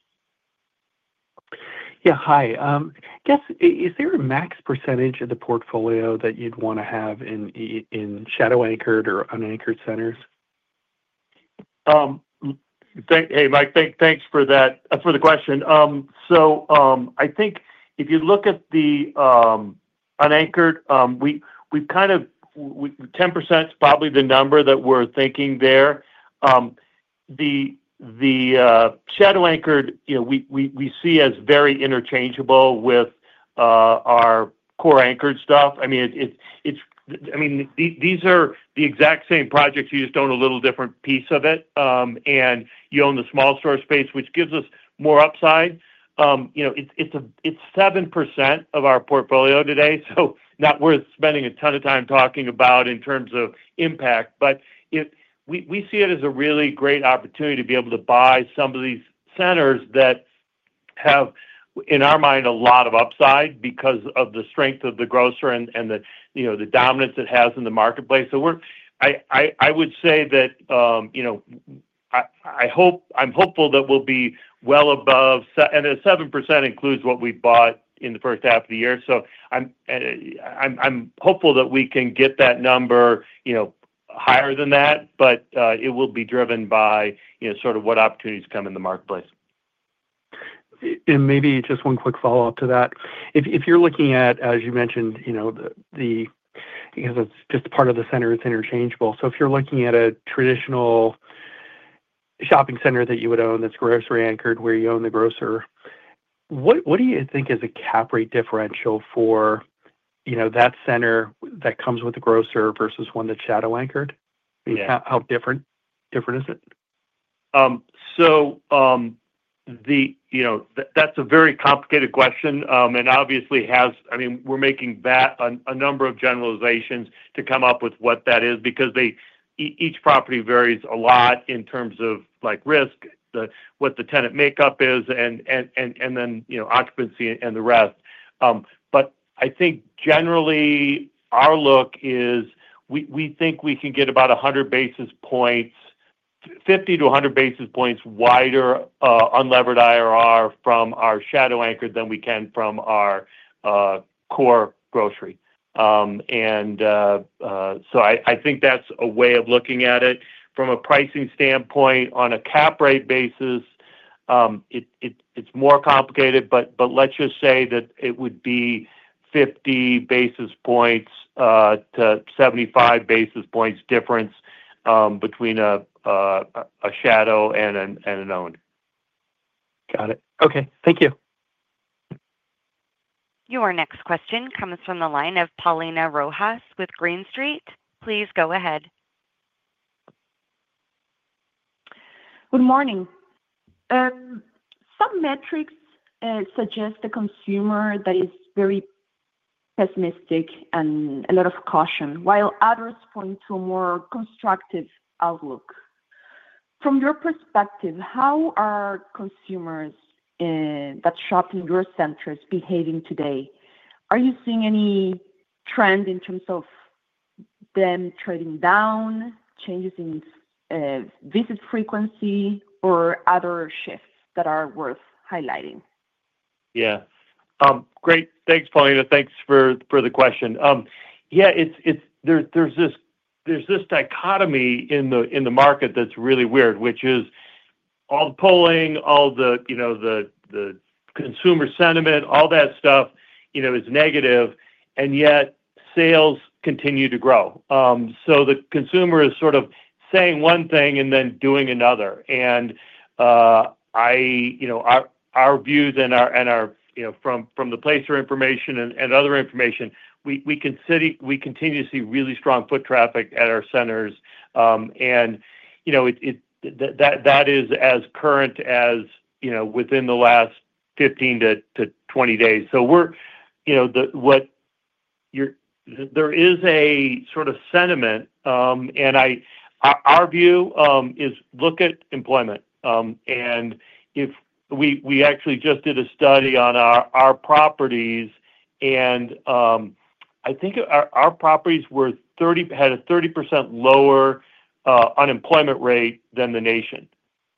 Yes. Hi. Guess, is there a max percentage of the portfolio that you'd want to have in shadow anchored or unanchored centers? Hey, Mike. Thanks for the question. So I think if you look at the unanchored, kind of 10% is probably the number that we're thinking there. The shadow anchored, we see as very interchangeable with our core anchored stuff. I mean, these are the exact same projects you just own a little different piece of it. And you own the small store space, which gives us more upside. It's seven percent of our portfolio today. So not worth spending a ton of time talking about in terms of impact. But we see it as a really great opportunity to be able to buy some of these centers that have, in our mind, a lot of upside because of the strength of the grocer and the dominance it has in the marketplace. So we're I would say that I'm hopeful that we'll be well above and the 7% includes what we bought in the first half of the year. So I'm hopeful that we can get that number higher than that, but it will be driven by sort of what opportunities come in the marketplace. And maybe just one quick follow-up to that. If you're looking at, as you mentioned, because the it's just part of the center that's interchangeable. So if you're looking at a traditional shopping center that you would own that's grocery anchored where you own the grocer, what do you think is the cap rate differential for that center that comes with the grocer versus one that's shadow anchored? How different is it? So that's a very complicated question. And obviously has I mean, we're making that a number of generalizations to come up with what that is because they each property varies a lot in terms of like risk, what the tenant makeup is and then occupancy and the rest. But I think generally our look is we think we can get about 100 basis points 50 to 100 basis points wider unlevered IRR from our shadow anchored than we can from our core grocery. And so I think that's a way of looking at it. From a pricing standpoint, on a cap rate basis, it's more complicated. But let's just say that it would be 50 basis points to 75 basis points difference between a shadow and an owned. Got it. Okay. Thank you. Your next question comes from the line of Paulina Rojas with Green Street. Please go ahead. Good morning. Some metrics suggest the consumer that is very pessimistic and a lot of caution while others point to a more constructive outlook. From your perspective, how are consumers that shop in your centers behaving today? Are you seeing any trend in terms of them trading down, changes in, visit frequency or other shifts that are worth highlighting? Yeah. Great. Thanks, Paulina. Thanks for for the question. Yeah. It's it's there there's this there's this dichotomy in the in the that's really weird, which is all the polling, all the, you know, the the consumer sentiment, all that stuff is negative and yet sales continue to grow. So the consumer is sort of saying one thing and then doing another. And our views and our from the placer information and other information, we continue to see really strong foot traffic at our centers. And that is as current as you know, within the last fifteen to to twenty days. So we're you know, the what you're there is a sort of sentiment, and I our view, is look at employment. And if we actually just did a study on our properties and I think our properties were 30 had a 30% lower unemployment rate than the nation.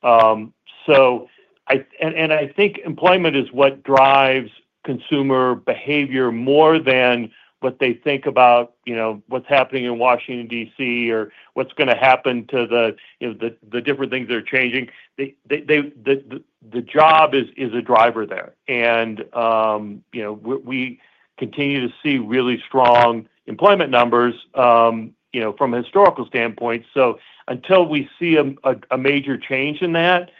So I and and I think employment is what drives consumer behavior more than what they think about, you know, what's happening in Washington DC or what's going to happen to the the different things that are changing. The job is a driver there. And we continue to see really strong employment numbers from a historical standpoint. So until we see a major change in that,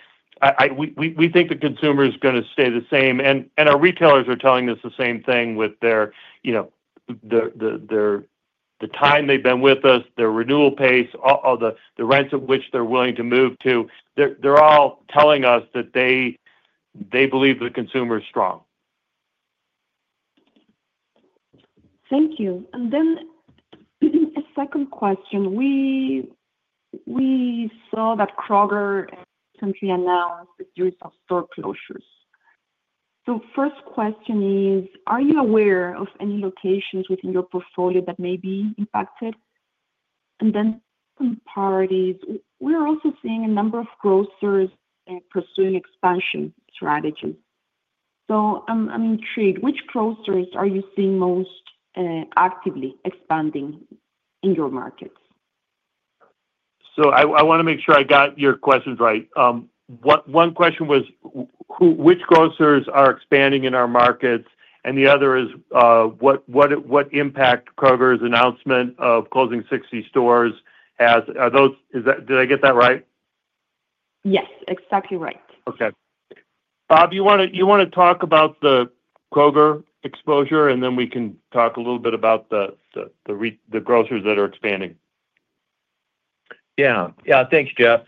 we think the consumer is going to stay the same. And our retailers are telling us the same thing with their the time they've been with us, their renewal pace, all the rents of which they're willing to move to. They're they're all telling us that they they believe the consumer is strong. Thank you. And then a second question. We we saw that Kroger recently announced the use of store closures. So first question is, are you aware of any locations within your portfolio that may be impacted? And then some parties, we're also seeing a number of grocers pursuing expansion strategies. So I'm intrigued. Which grocers are you seeing most actively expanding in your markets? So I want to make sure I got your questions right. One question was which grocers are expanding in our markets? And the other is what impact Kroger's announcement of closing 60 stores has. Are those did I get that right? Yes, exactly right. Okay. Bob, you to talk about the Kroger exposure and then we can talk a little bit about the grocers that are expanding. Yes. Thanks, Jeff.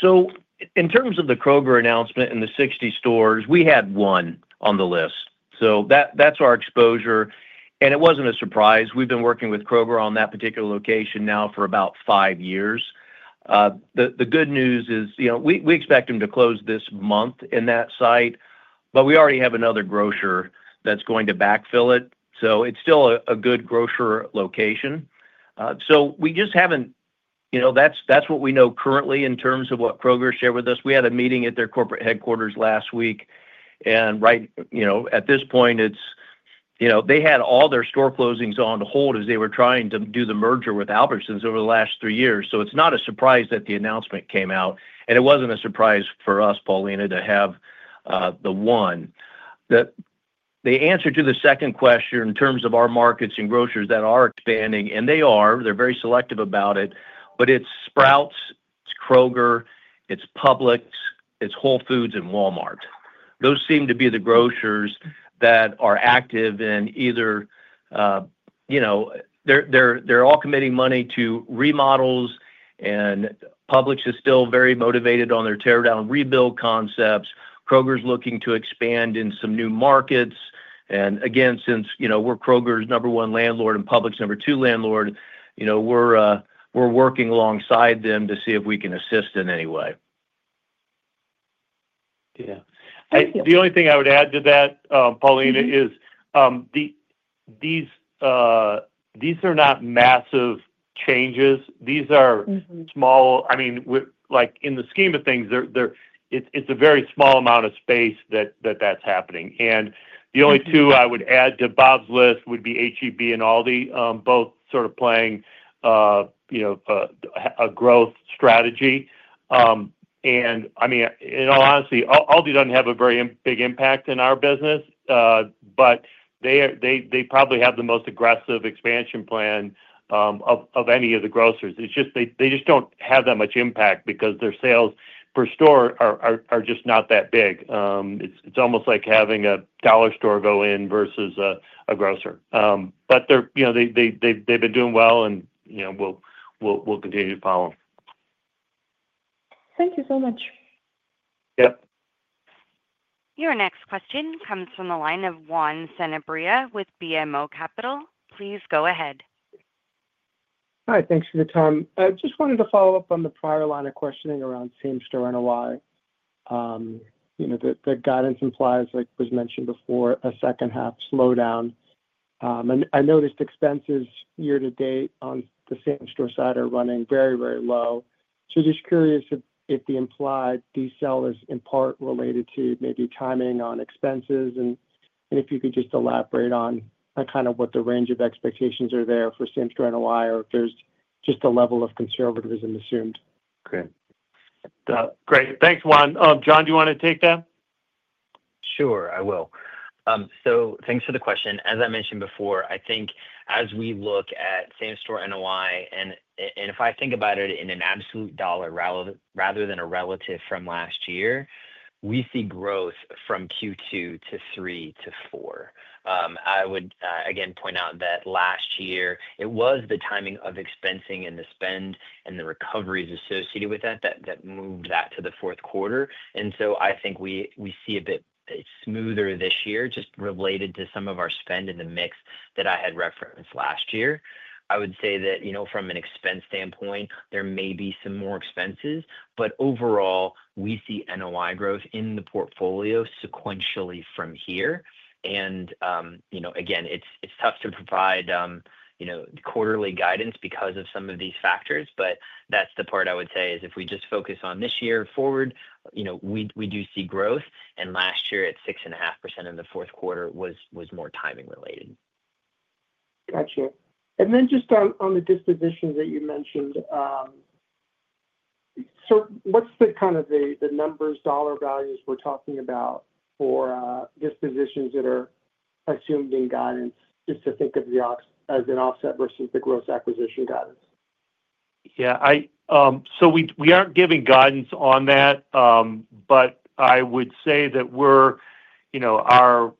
So in terms of the Kroger announcement in the 60 stores, we had one on the list. So that's our exposure. And it wasn't a surprise. We've been working with Kroger on that particular location now for about five years. The good news is we expect them to close this month in that site, but we already have another grocer that's going to backfill it. So it's still a good grocer location. So we just haven't that's what we know currently in terms of what Kroger shared with us. We had a meeting at their corporate headquarters last week. And right at this point, it's they had all their store closings on hold as they were trying to do the merger with Albertsons over the last three years. So it's not a surprise that the announcement came out. And it wasn't a surprise for us, Paulina, to have the one. The answer to the second question in terms of our markets and grocers that are expanding, and they are, they're very selective about it, but it's Sprouts, it's Kroger, it's Publix, it's Whole Foods and Walmart. Those seem to be the grocers that are active in either they're all committing money to remodels and Publix is still very motivated on their teardown rebuild concepts. Kroger is looking to expand in some new markets. And again, since we're Kroger's number one landlord and Publix number two landlord, we're working alongside them to see if we can assist in any way. Yes. The only thing I would add to that, Paulina, is these these are not massive changes. These are small I mean, with like, in the scheme of things, they're they're it's it's a very small amount of space that that that's happening. And the only two I would add to Bob's list would be HEB and ALDI, both sort of playing, a growth strategy. And I mean, in all honesty, ALDI doesn't have a very big impact in our business, but they probably have the most aggressive expansion plan of any of the grocers. It's just they just don't have that much impact because their sales per store are just not that big. It's almost like having a dollar store go in versus a grocer. But they've been doing well and we'll continue to follow them. Thank you so much. Your next question comes from the line of Juan Sanibria with BMO Capital. Please go ahead. Hi. Thanks for the time. I just wanted to follow-up on the prior line of questioning around same store NOI. The guidance implies, like was mentioned before, a second half slowdown. And I noticed expenses year to date on the same store side are running very, very low. So just curious if the implied decel is in part related to maybe timing on expenses. And if you could just elaborate on kind of what the range of expectations are there for same store NOI or if there's just a level of conservatism assumed. Okay. Great. Thanks, Juan. John, do wanna take that? Sure. I will. So thanks for the question. As I mentioned before, I think as we look at same store NOI and and if I think about it in an absolute dollar rather than a relative from last year, we see growth from q two to three to four. I would, again point out that last year, it was the timing of expensing and the spend and the recoveries associated with that that that moved that to the fourth quarter. And so I think we we see a bit smoother this year just related to some of our spend in the mix that I had referenced last year. I would say that, you know, from an expense standpoint, there may be some more expenses. But overall, we see NOI growth in the portfolio sequentially from here. And, you know, again, it's it's tough to provide, you know, quarterly guidance because of some of these factors, but that's the part I would say is if we just focus on this year forward, you know, we we do see growth. And last year at six and a half percent in the fourth quarter was was more timing related. Gotcha. And then just on on the dispositions that you mentioned, so what's the kind of the the numbers dollar values we're talking about for, dispositions that are assumed in guidance just to think of the ops as an offset versus the gross acquisition guidance? Yeah. I, so we we aren't giving guidance on that. But I would say that we're, you know, our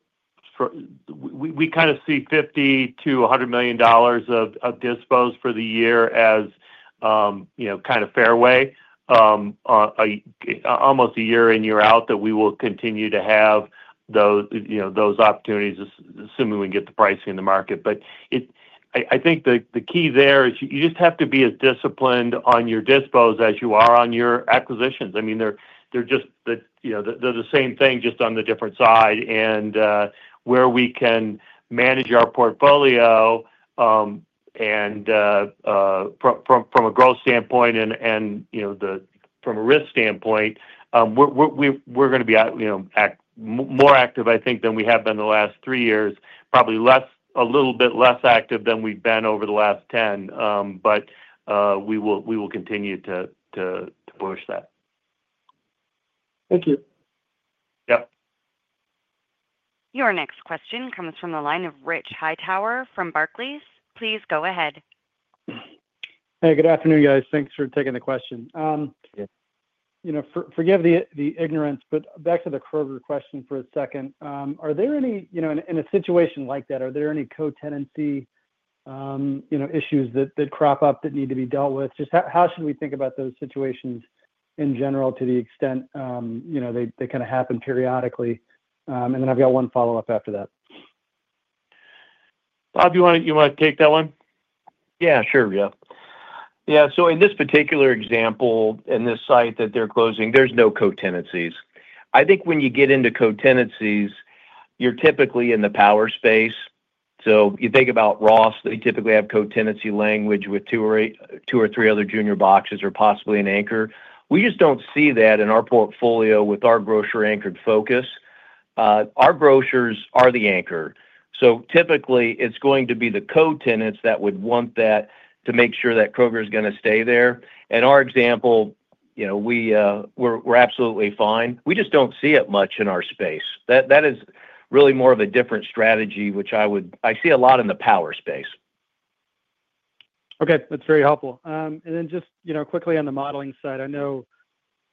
we kind of see 50,000,000 to $100,000,000 of dispose for the year as kind of fairway, almost a year in year out that we will continue to have those opportunities assuming we get the pricing in the market. But I think the key there is you just have to be as disciplined on your dispose as you are on your acquisitions. I mean, they're just the same thing just on the different side. And where we can manage our portfolio and from a growth standpoint and from a risk standpoint, we're going to be more active I think than we have been the last three years, probably less a little bit less active than we've been over the last ten. But we will continue to push that. Thank you. Your next question comes from the line of Rich Hightower from Barclays. Please go ahead. Hey, good afternoon guys. Thanks for taking the question. Forgive the ignorance, but back to the Kroger question for a second. Are there any in situation like that, are there any co tenancy, issues that crop up that need to be dealt with? Just how should we think about those situations in general to the extent, you know, they they kind of happen periodically? And then I've got one follow-up after that. Bob, do you want to you want to take that one? Yeah. Sure. Yeah. Yeah. So in this particular example, in this site that they're closing, there's no cotenancies. I think when you get into cotenancies, you're typically in the power space. So you think about Ross, they typically have cotenancy language with two or three other junior boxes or possibly an anchor. We just don't see that in our portfolio with our grocery anchored focus. Our grocers are the anchor. So typically, it's going to be the co tenants that would want that to make sure that Kroger is going to stay there. In our example, we're absolutely fine. We just don't see it much in our space. That is really more of a different strategy, which I would I see a lot in the power space. Okay. That's very helpful. And then just quickly on the modeling side, I know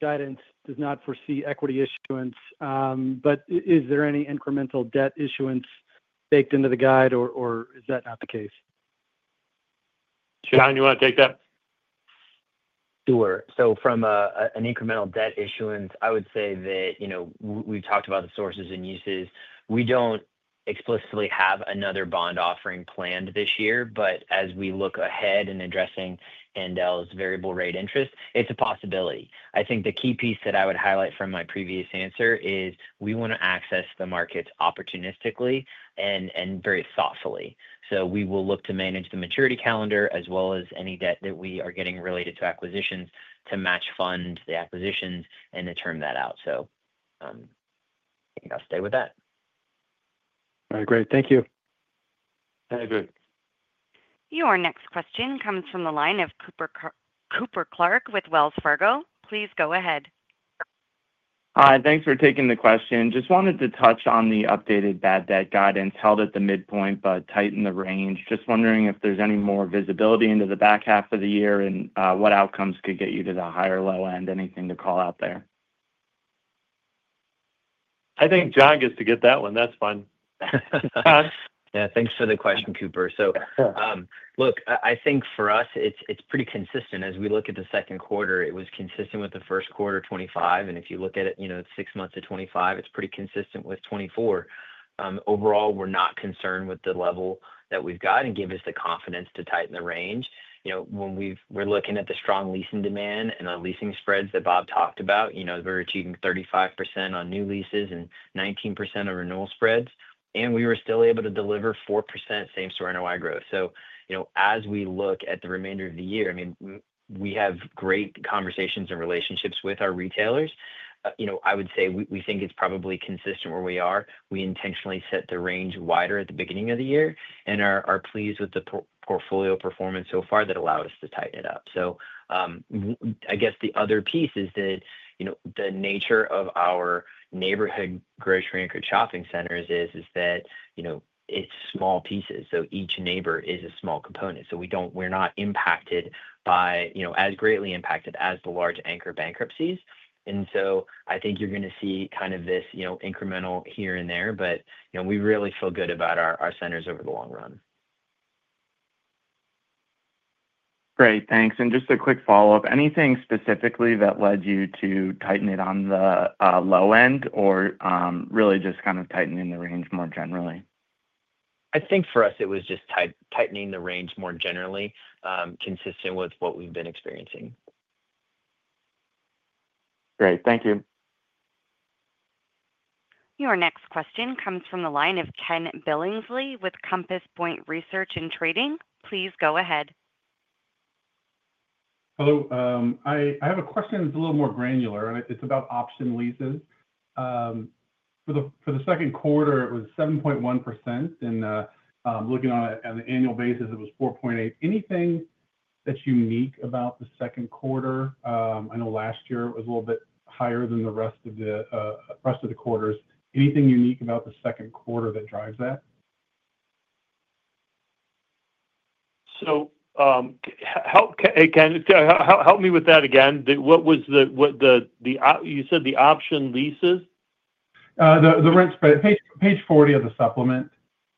guidance does not foresee equity issuance. But is there any incremental debt issuance baked into the guide? Or is that not the case? Sean, do you want to take that? Sure. So from an incremental debt issuance, I would say that, you know, we talked about the sources and uses. We don't explicitly have another bond offering planned this year, but as we look ahead in addressing Endel's variable rate interest, it's a possibility. I think the key piece that I would highlight from my previous answer is we wanna access the markets opportunistically and and very thoughtfully. So we will look to manage the maturity calendar as well as any debt that we are getting related to acquisitions to match fund the acquisitions and to turn that out. So, you know, stay with that. All right. Great. Thank you. Your next question comes from the line of Cooper Clark with Wells Fargo. Please go ahead. Hi. Thanks for taking the question. Just wanted to touch on updated bad debt guidance held at the midpoint but tightened the range. Just wondering if there's any more visibility into the back half of the year and what outcomes could get you to the higher low end, anything to call out there? I think John gets to get that one. That's fun. Yeah. Thanks for the question, Cooper. So, look, I think for us, it's it's pretty consistent. As we look at the second quarter, it was consistent with the first quarter twenty five. And if you look at it, you know, six months of '25, pretty consistent with '24. Overall, we're not concerned with the level that we've got and give us the confidence to tighten the range. When we're looking at the strong leasing demand and our leasing spreads that Bob talked about, we're achieving 35% on new leases and 19% on renewal spreads. And we were still able to deliver 4% same store NOI growth. So, you know, as we look at the remainder of the year, I mean, we have great conversations and relationships with our retailers. You know, I would say we we think it's probably consistent where we are. We intentionally set the range wider at the beginning of the year and are are pleased with the portfolio performance so far that allow us to tighten it up. So, I guess the other piece is that, you know, the nature of our neighborhood grocery anchored shopping centers is is that, you know, it's small pieces. So each neighbor is a small component. So we don't we're not impacted by you know, as greatly impacted as the large anchor bankruptcies. And so I think you're gonna see kind of this, you know, incremental here and there, but, you know, we really feel good about our our centers over the long run. Great. Thanks. And just a quick follow-up. Anything specifically that led you to tighten it on the, low end or, really just kind of tightening the range more generally? I think for us, was just tight tightening the range more generally, consistent with what we've been experiencing. Great. Thank you. Your next question comes from the line of Ken Billingsley with Compass Point Research and Trading. Please go ahead. Hello. I have a question that's a little more granular, and it's about option leases. For the second quarter, it was 7.1%. And looking on an annual basis, it was 4.8%. Anything that's unique about the second quarter? I know last year was a little bit higher than the rest of the rest of the quarters. Anything unique about the second quarter that drives that? So help hey, Ken. Help me with that again. What was the what the the said the option leases? The the rent spread. Page page 40 of the supplement.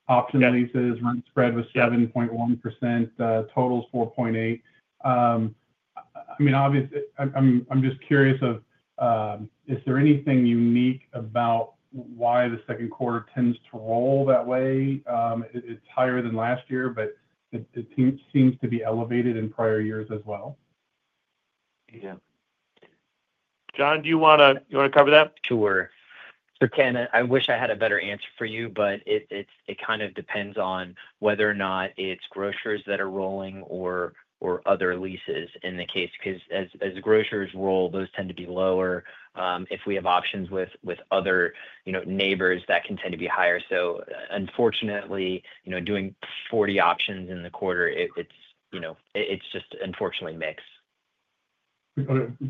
Option leases. Rent spread was 7.1%. The total is 4.8. I mean, obvious I'm I'm I'm just curious of is there anything unique about why the second quarter tends to roll that way? It's higher than last year, but it it seems to be elevated in prior years as well. Yeah. John, do you wanna you wanna cover that? Sure. So, Ken, I wish I had a better answer for you, but it it it kind of depends on whether or not it's grocers that are rolling or or other leases in the case. Because as as the grocers roll, those tend to be lower. If we have options with with other, you know, neighbors, that can tend to be higher. So, unfortunately, you know, doing 40 options in the quarter, it it's, you know, it's just unfortunately mix.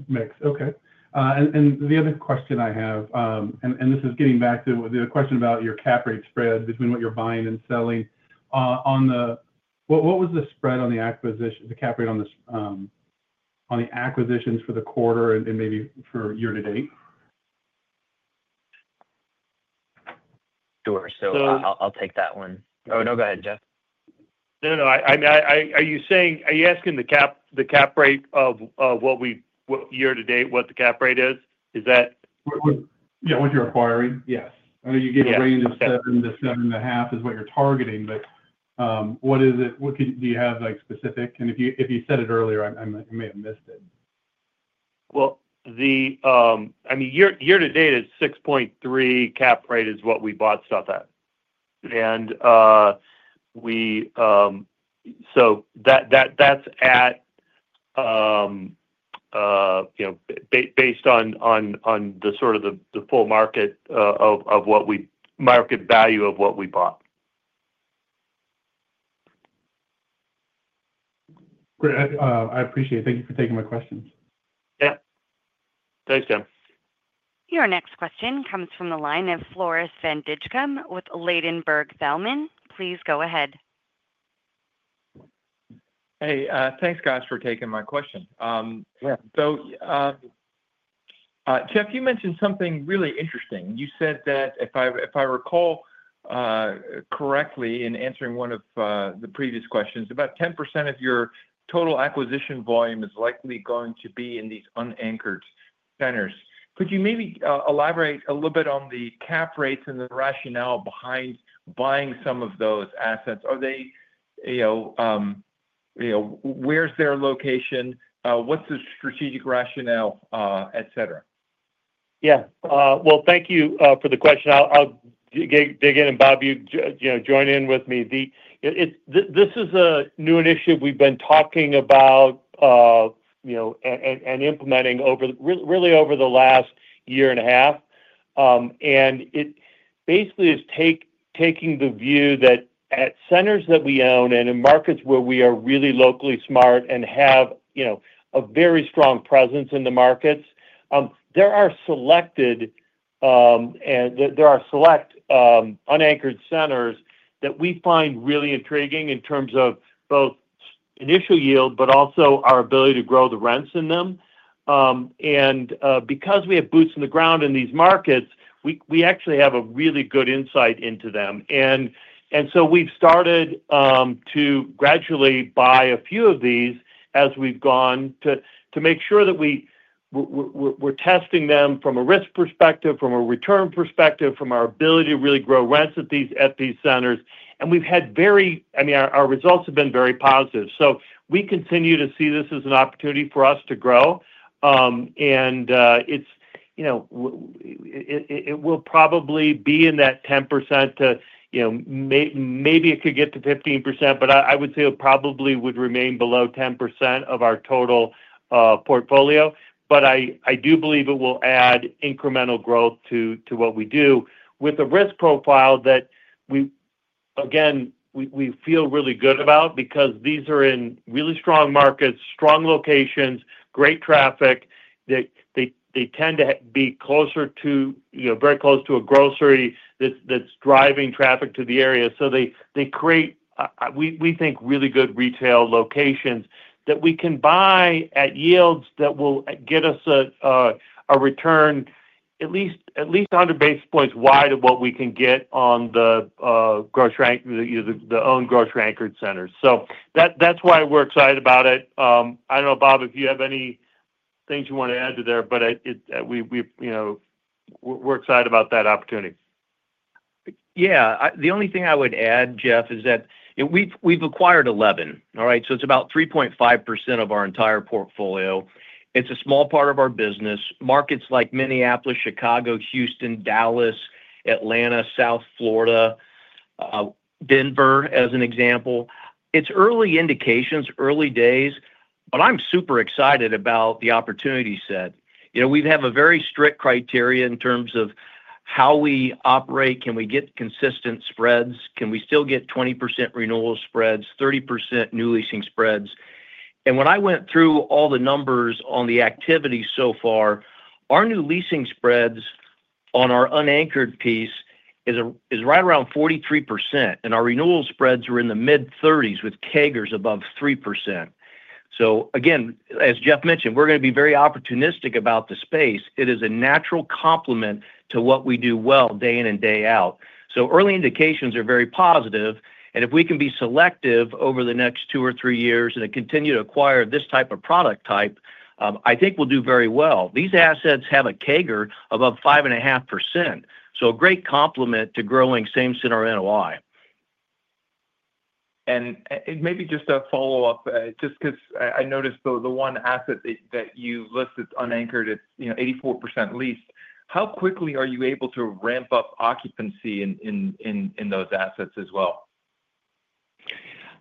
Mix. Okay. And and the other question I have, and and this is getting back to the question about your cap rate spread between what you're buying and selling. On the what what was the spread on the acquisition the cap rate on this on the acquisitions for the quarter and and maybe for year to date? Sure. So I'll I'll take that one. Oh, no. Go ahead, Jeff. No. No. I I I are you saying are you asking the cap the cap rate of, what we year to date, what the cap rate is? Is that Yeah. What you're acquiring. Yes. I know you get a range of 7 to seven and a half is what you're targeting, but what is it? What could do you have, like, specific? And if you if you said it earlier, I I might I may have missed it. Well, the I mean, year year to date is 6.3 cap rate is what we bought stuff at. And we so that that that's at, based on the sort of the full market what we market value of what we bought. Great. Appreciate it. Thank you for taking my questions. Yes. Thanks, Tim. Your next question comes from the line of Floris Van Dijkum with Ladenburg Thalmann. Please go ahead. Hey. Thanks, guys, for taking my question. Yeah. So, Jeff, you mentioned something really interesting. You said that if I if I recall correctly in answering one of the previous questions, about 10% of your total acquisition volume is likely going to be in these unanchored centers. Could you maybe elaborate a little bit on the cap rates and the rationale behind buying some of those assets? Are they, you know, you know, where's their location? What's the strategic rationale, etcetera? Yeah. Well, thank you, for the question. I'll I'll dig in, and, Bob, you, you know, join in with me. This is a new initiative we've been talking about and implementing over really over the last year and a half. And it basically is taking the view that at centers that we own and in markets where we are really locally smart and have a very strong presence in the markets, there are selected, there are select, unanchored centers that we find really intriguing in terms of both initial yield, but also our ability to grow the rents in them. And because we have boots in the ground in these markets, we actually have a really good insight into them. And so we've started to gradually buy a few of these as we've gone to make sure that we're testing them from a risk perspective, from a return perspective, from our ability to really grow rents at centers. And we've had very I mean, results have been very positive. So we continue to see this as an opportunity for us to grow. And it will probably be in that 10% maybe it could get to 15%, but I would say it probably would remain below 10% of our total portfolio. But I do believe it will add incremental growth to what we do with the risk profile that we again, we feel really good about because these are in really strong markets, strong locations, great traffic. They tend to be closer to very close to a grocery that's driving traffic to the area. So they create, we think, really good retail locations that we can buy at yields that will get us a return at least 100 basis points wide of what we can get on the own grocery anchored centers. So that's why we're excited about it. I don't know, Bob, if you have any things you want to add to there, but we're excited about that opportunity. Yes. The only thing I would add, Jeff, is that we've acquired 11, all right? So it's about 3.5% of our entire portfolio. It's a small part of our business. Markets like Minneapolis, Chicago, Houston, Dallas, Atlanta, South Florida, Denver, as an example, it's early indications, early days, but I'm super excited about the opportunity set. We have a very strict criteria in terms of how we operate, can we get consistent spreads, can we still get 20% renewal spreads, 30% new leasing spreads. And when I went through all the numbers on the activity so far, our new leasing spreads on our unanchored piece is right around 43%, and our renewal spreads were in the mid-30s with CAGRs above 3%. So again, as Jeff mentioned, we're going to be very opportunistic about the space. It is a natural complement to what we do well day in and day out. So early indications are very positive. And if we can be selective over the next two or three years and continue to acquire this type of product type, I think we'll do very well. These assets have a CAGR of up 5.5%, so a great complement to growing same center NOI. And maybe just a follow-up, just because I noticed the one asset that you listed unanchored at 84% leased. How quickly are you able to ramp up occupancy in those assets as well?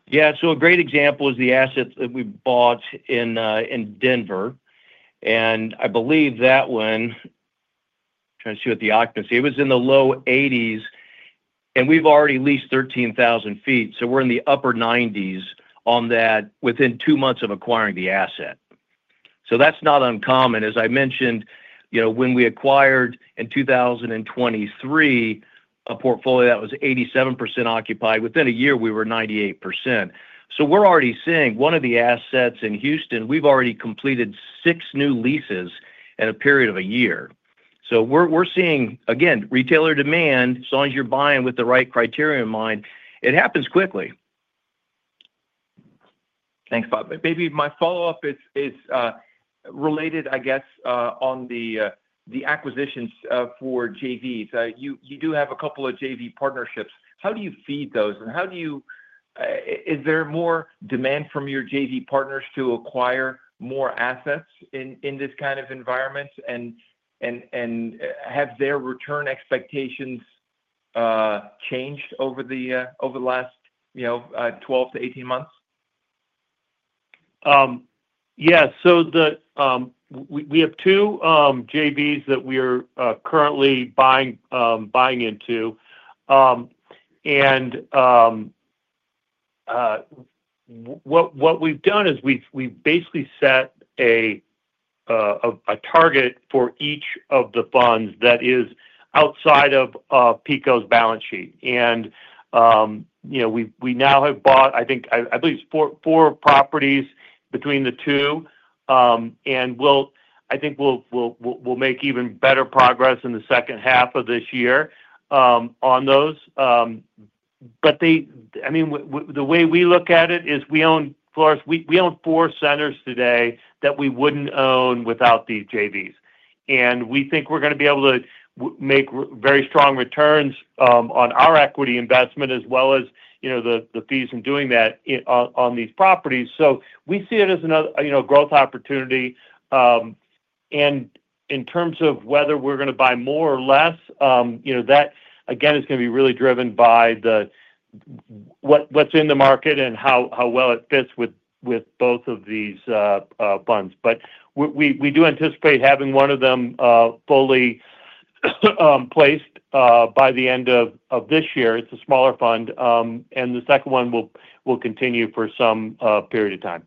Yes. So a great example is the assets that we bought in Denver. And I believe that one trying to see what the occupancy it was in the low 80s, and we've already leased 13,000 feet. So we're in the upper 90s on that within two months of acquiring the asset. So that's not uncommon. As I mentioned, when we acquired in 2023 a portfolio that was 87% occupied, within a year, we were 98%. So we're already seeing one of the assets in Houston, we've already completed six new leases in a period of a year. So we're seeing, again, retailer demand, as long as you're buying with the right criteria in mind, it happens quickly. Thanks, Bob. Maybe my follow-up is related, I guess, on the the acquisitions for JVs. You you do have a couple of JV partnerships. How do you feed those? And how do you, is there more demand from your JV partners to acquire more assets in this kind of environment? And have their return expectations changed over the last twelve to eighteen months? Yes. So the, we we have two, JVs that we are currently buying, buying into. And what we've done is we've basically set a target for each of the funds that is outside of PICO's balance sheet. And we now have bought, I think, I believe it's four properties between the two. We'll I think we'll make even better progress in the second half of this year on those. But they I mean, the way we look at it is we own four centers today that we wouldn't own without these JVs. And we think we're going to be able to make very strong returns on our equity investment as well as fees in doing that on these properties. So we see it as a growth opportunity. And in terms of whether we're going to buy more or less, that again is going be really driven by the what's in the market and how well it fits with both of these funds. But we do anticipate having one of them fully placed by the end of this year. It's a smaller fund. And the second one will continue for some period of time.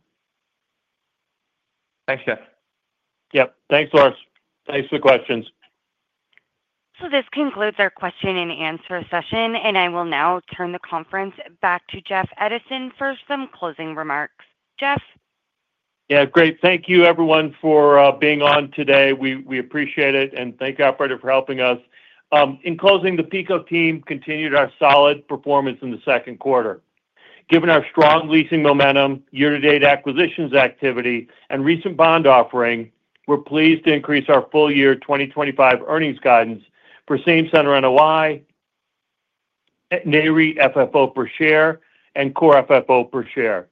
Thanks, Jeff. Yes. Thanks, Lars. Thanks for the questions. So this concludes our question and answer session. And I will now turn the conference back to Jeff Edison for some closing remarks. Jeff? Yes, great. Thank you everyone for being on today. We appreciate it and thank you operator for helping us. In closing, the PICO team continued our solid performance in the second quarter. Given our strong leasing momentum, year to date acquisitions activity and recent bond offering, we're pleased to increase our full year 2025 earnings guidance for same center NOI, NAREIT FFO per share and core FFO per share.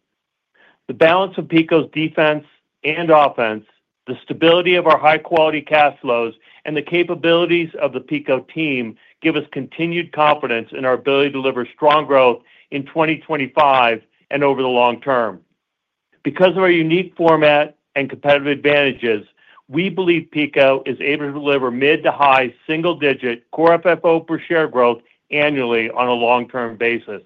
The balance of PICO's defense and offense, the stability of our high quality cash flows and the capabilities of the PICO team give us continued confidence in our ability to deliver strong growth in 2025 and over the long term. Because of our unique format and competitive advantages, we believe PICO is able to deliver mid to high single digit core FFO per share growth annually on a long term basis.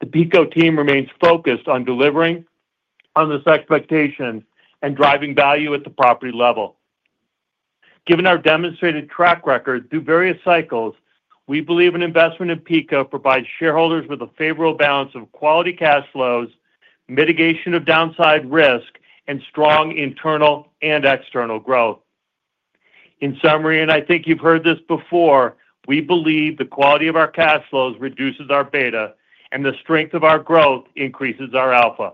The PICO team remains focused on delivering on this expectation and driving value at the property level. Given our demonstrated track record through various cycles, we believe an investment in PICO provides shareholders with a favorable balance of quality cash flows, mitigation of downside risk and strong internal and external growth. In summary, and I think you've heard this before, we believe the quality of our cash flows reduces our beta and the strength of our growth increases our alpha.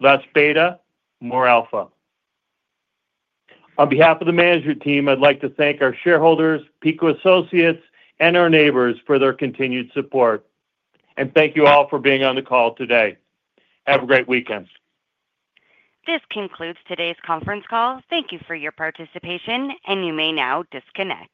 Less beta, more alpha. On behalf of the management team, I'd like to thank our shareholders, Pico associates and our neighbors for their continued support. And thank you all for being on the call today. Have a great weekend. This concludes today's conference call. Thank you for your participation, and you may now disconnect.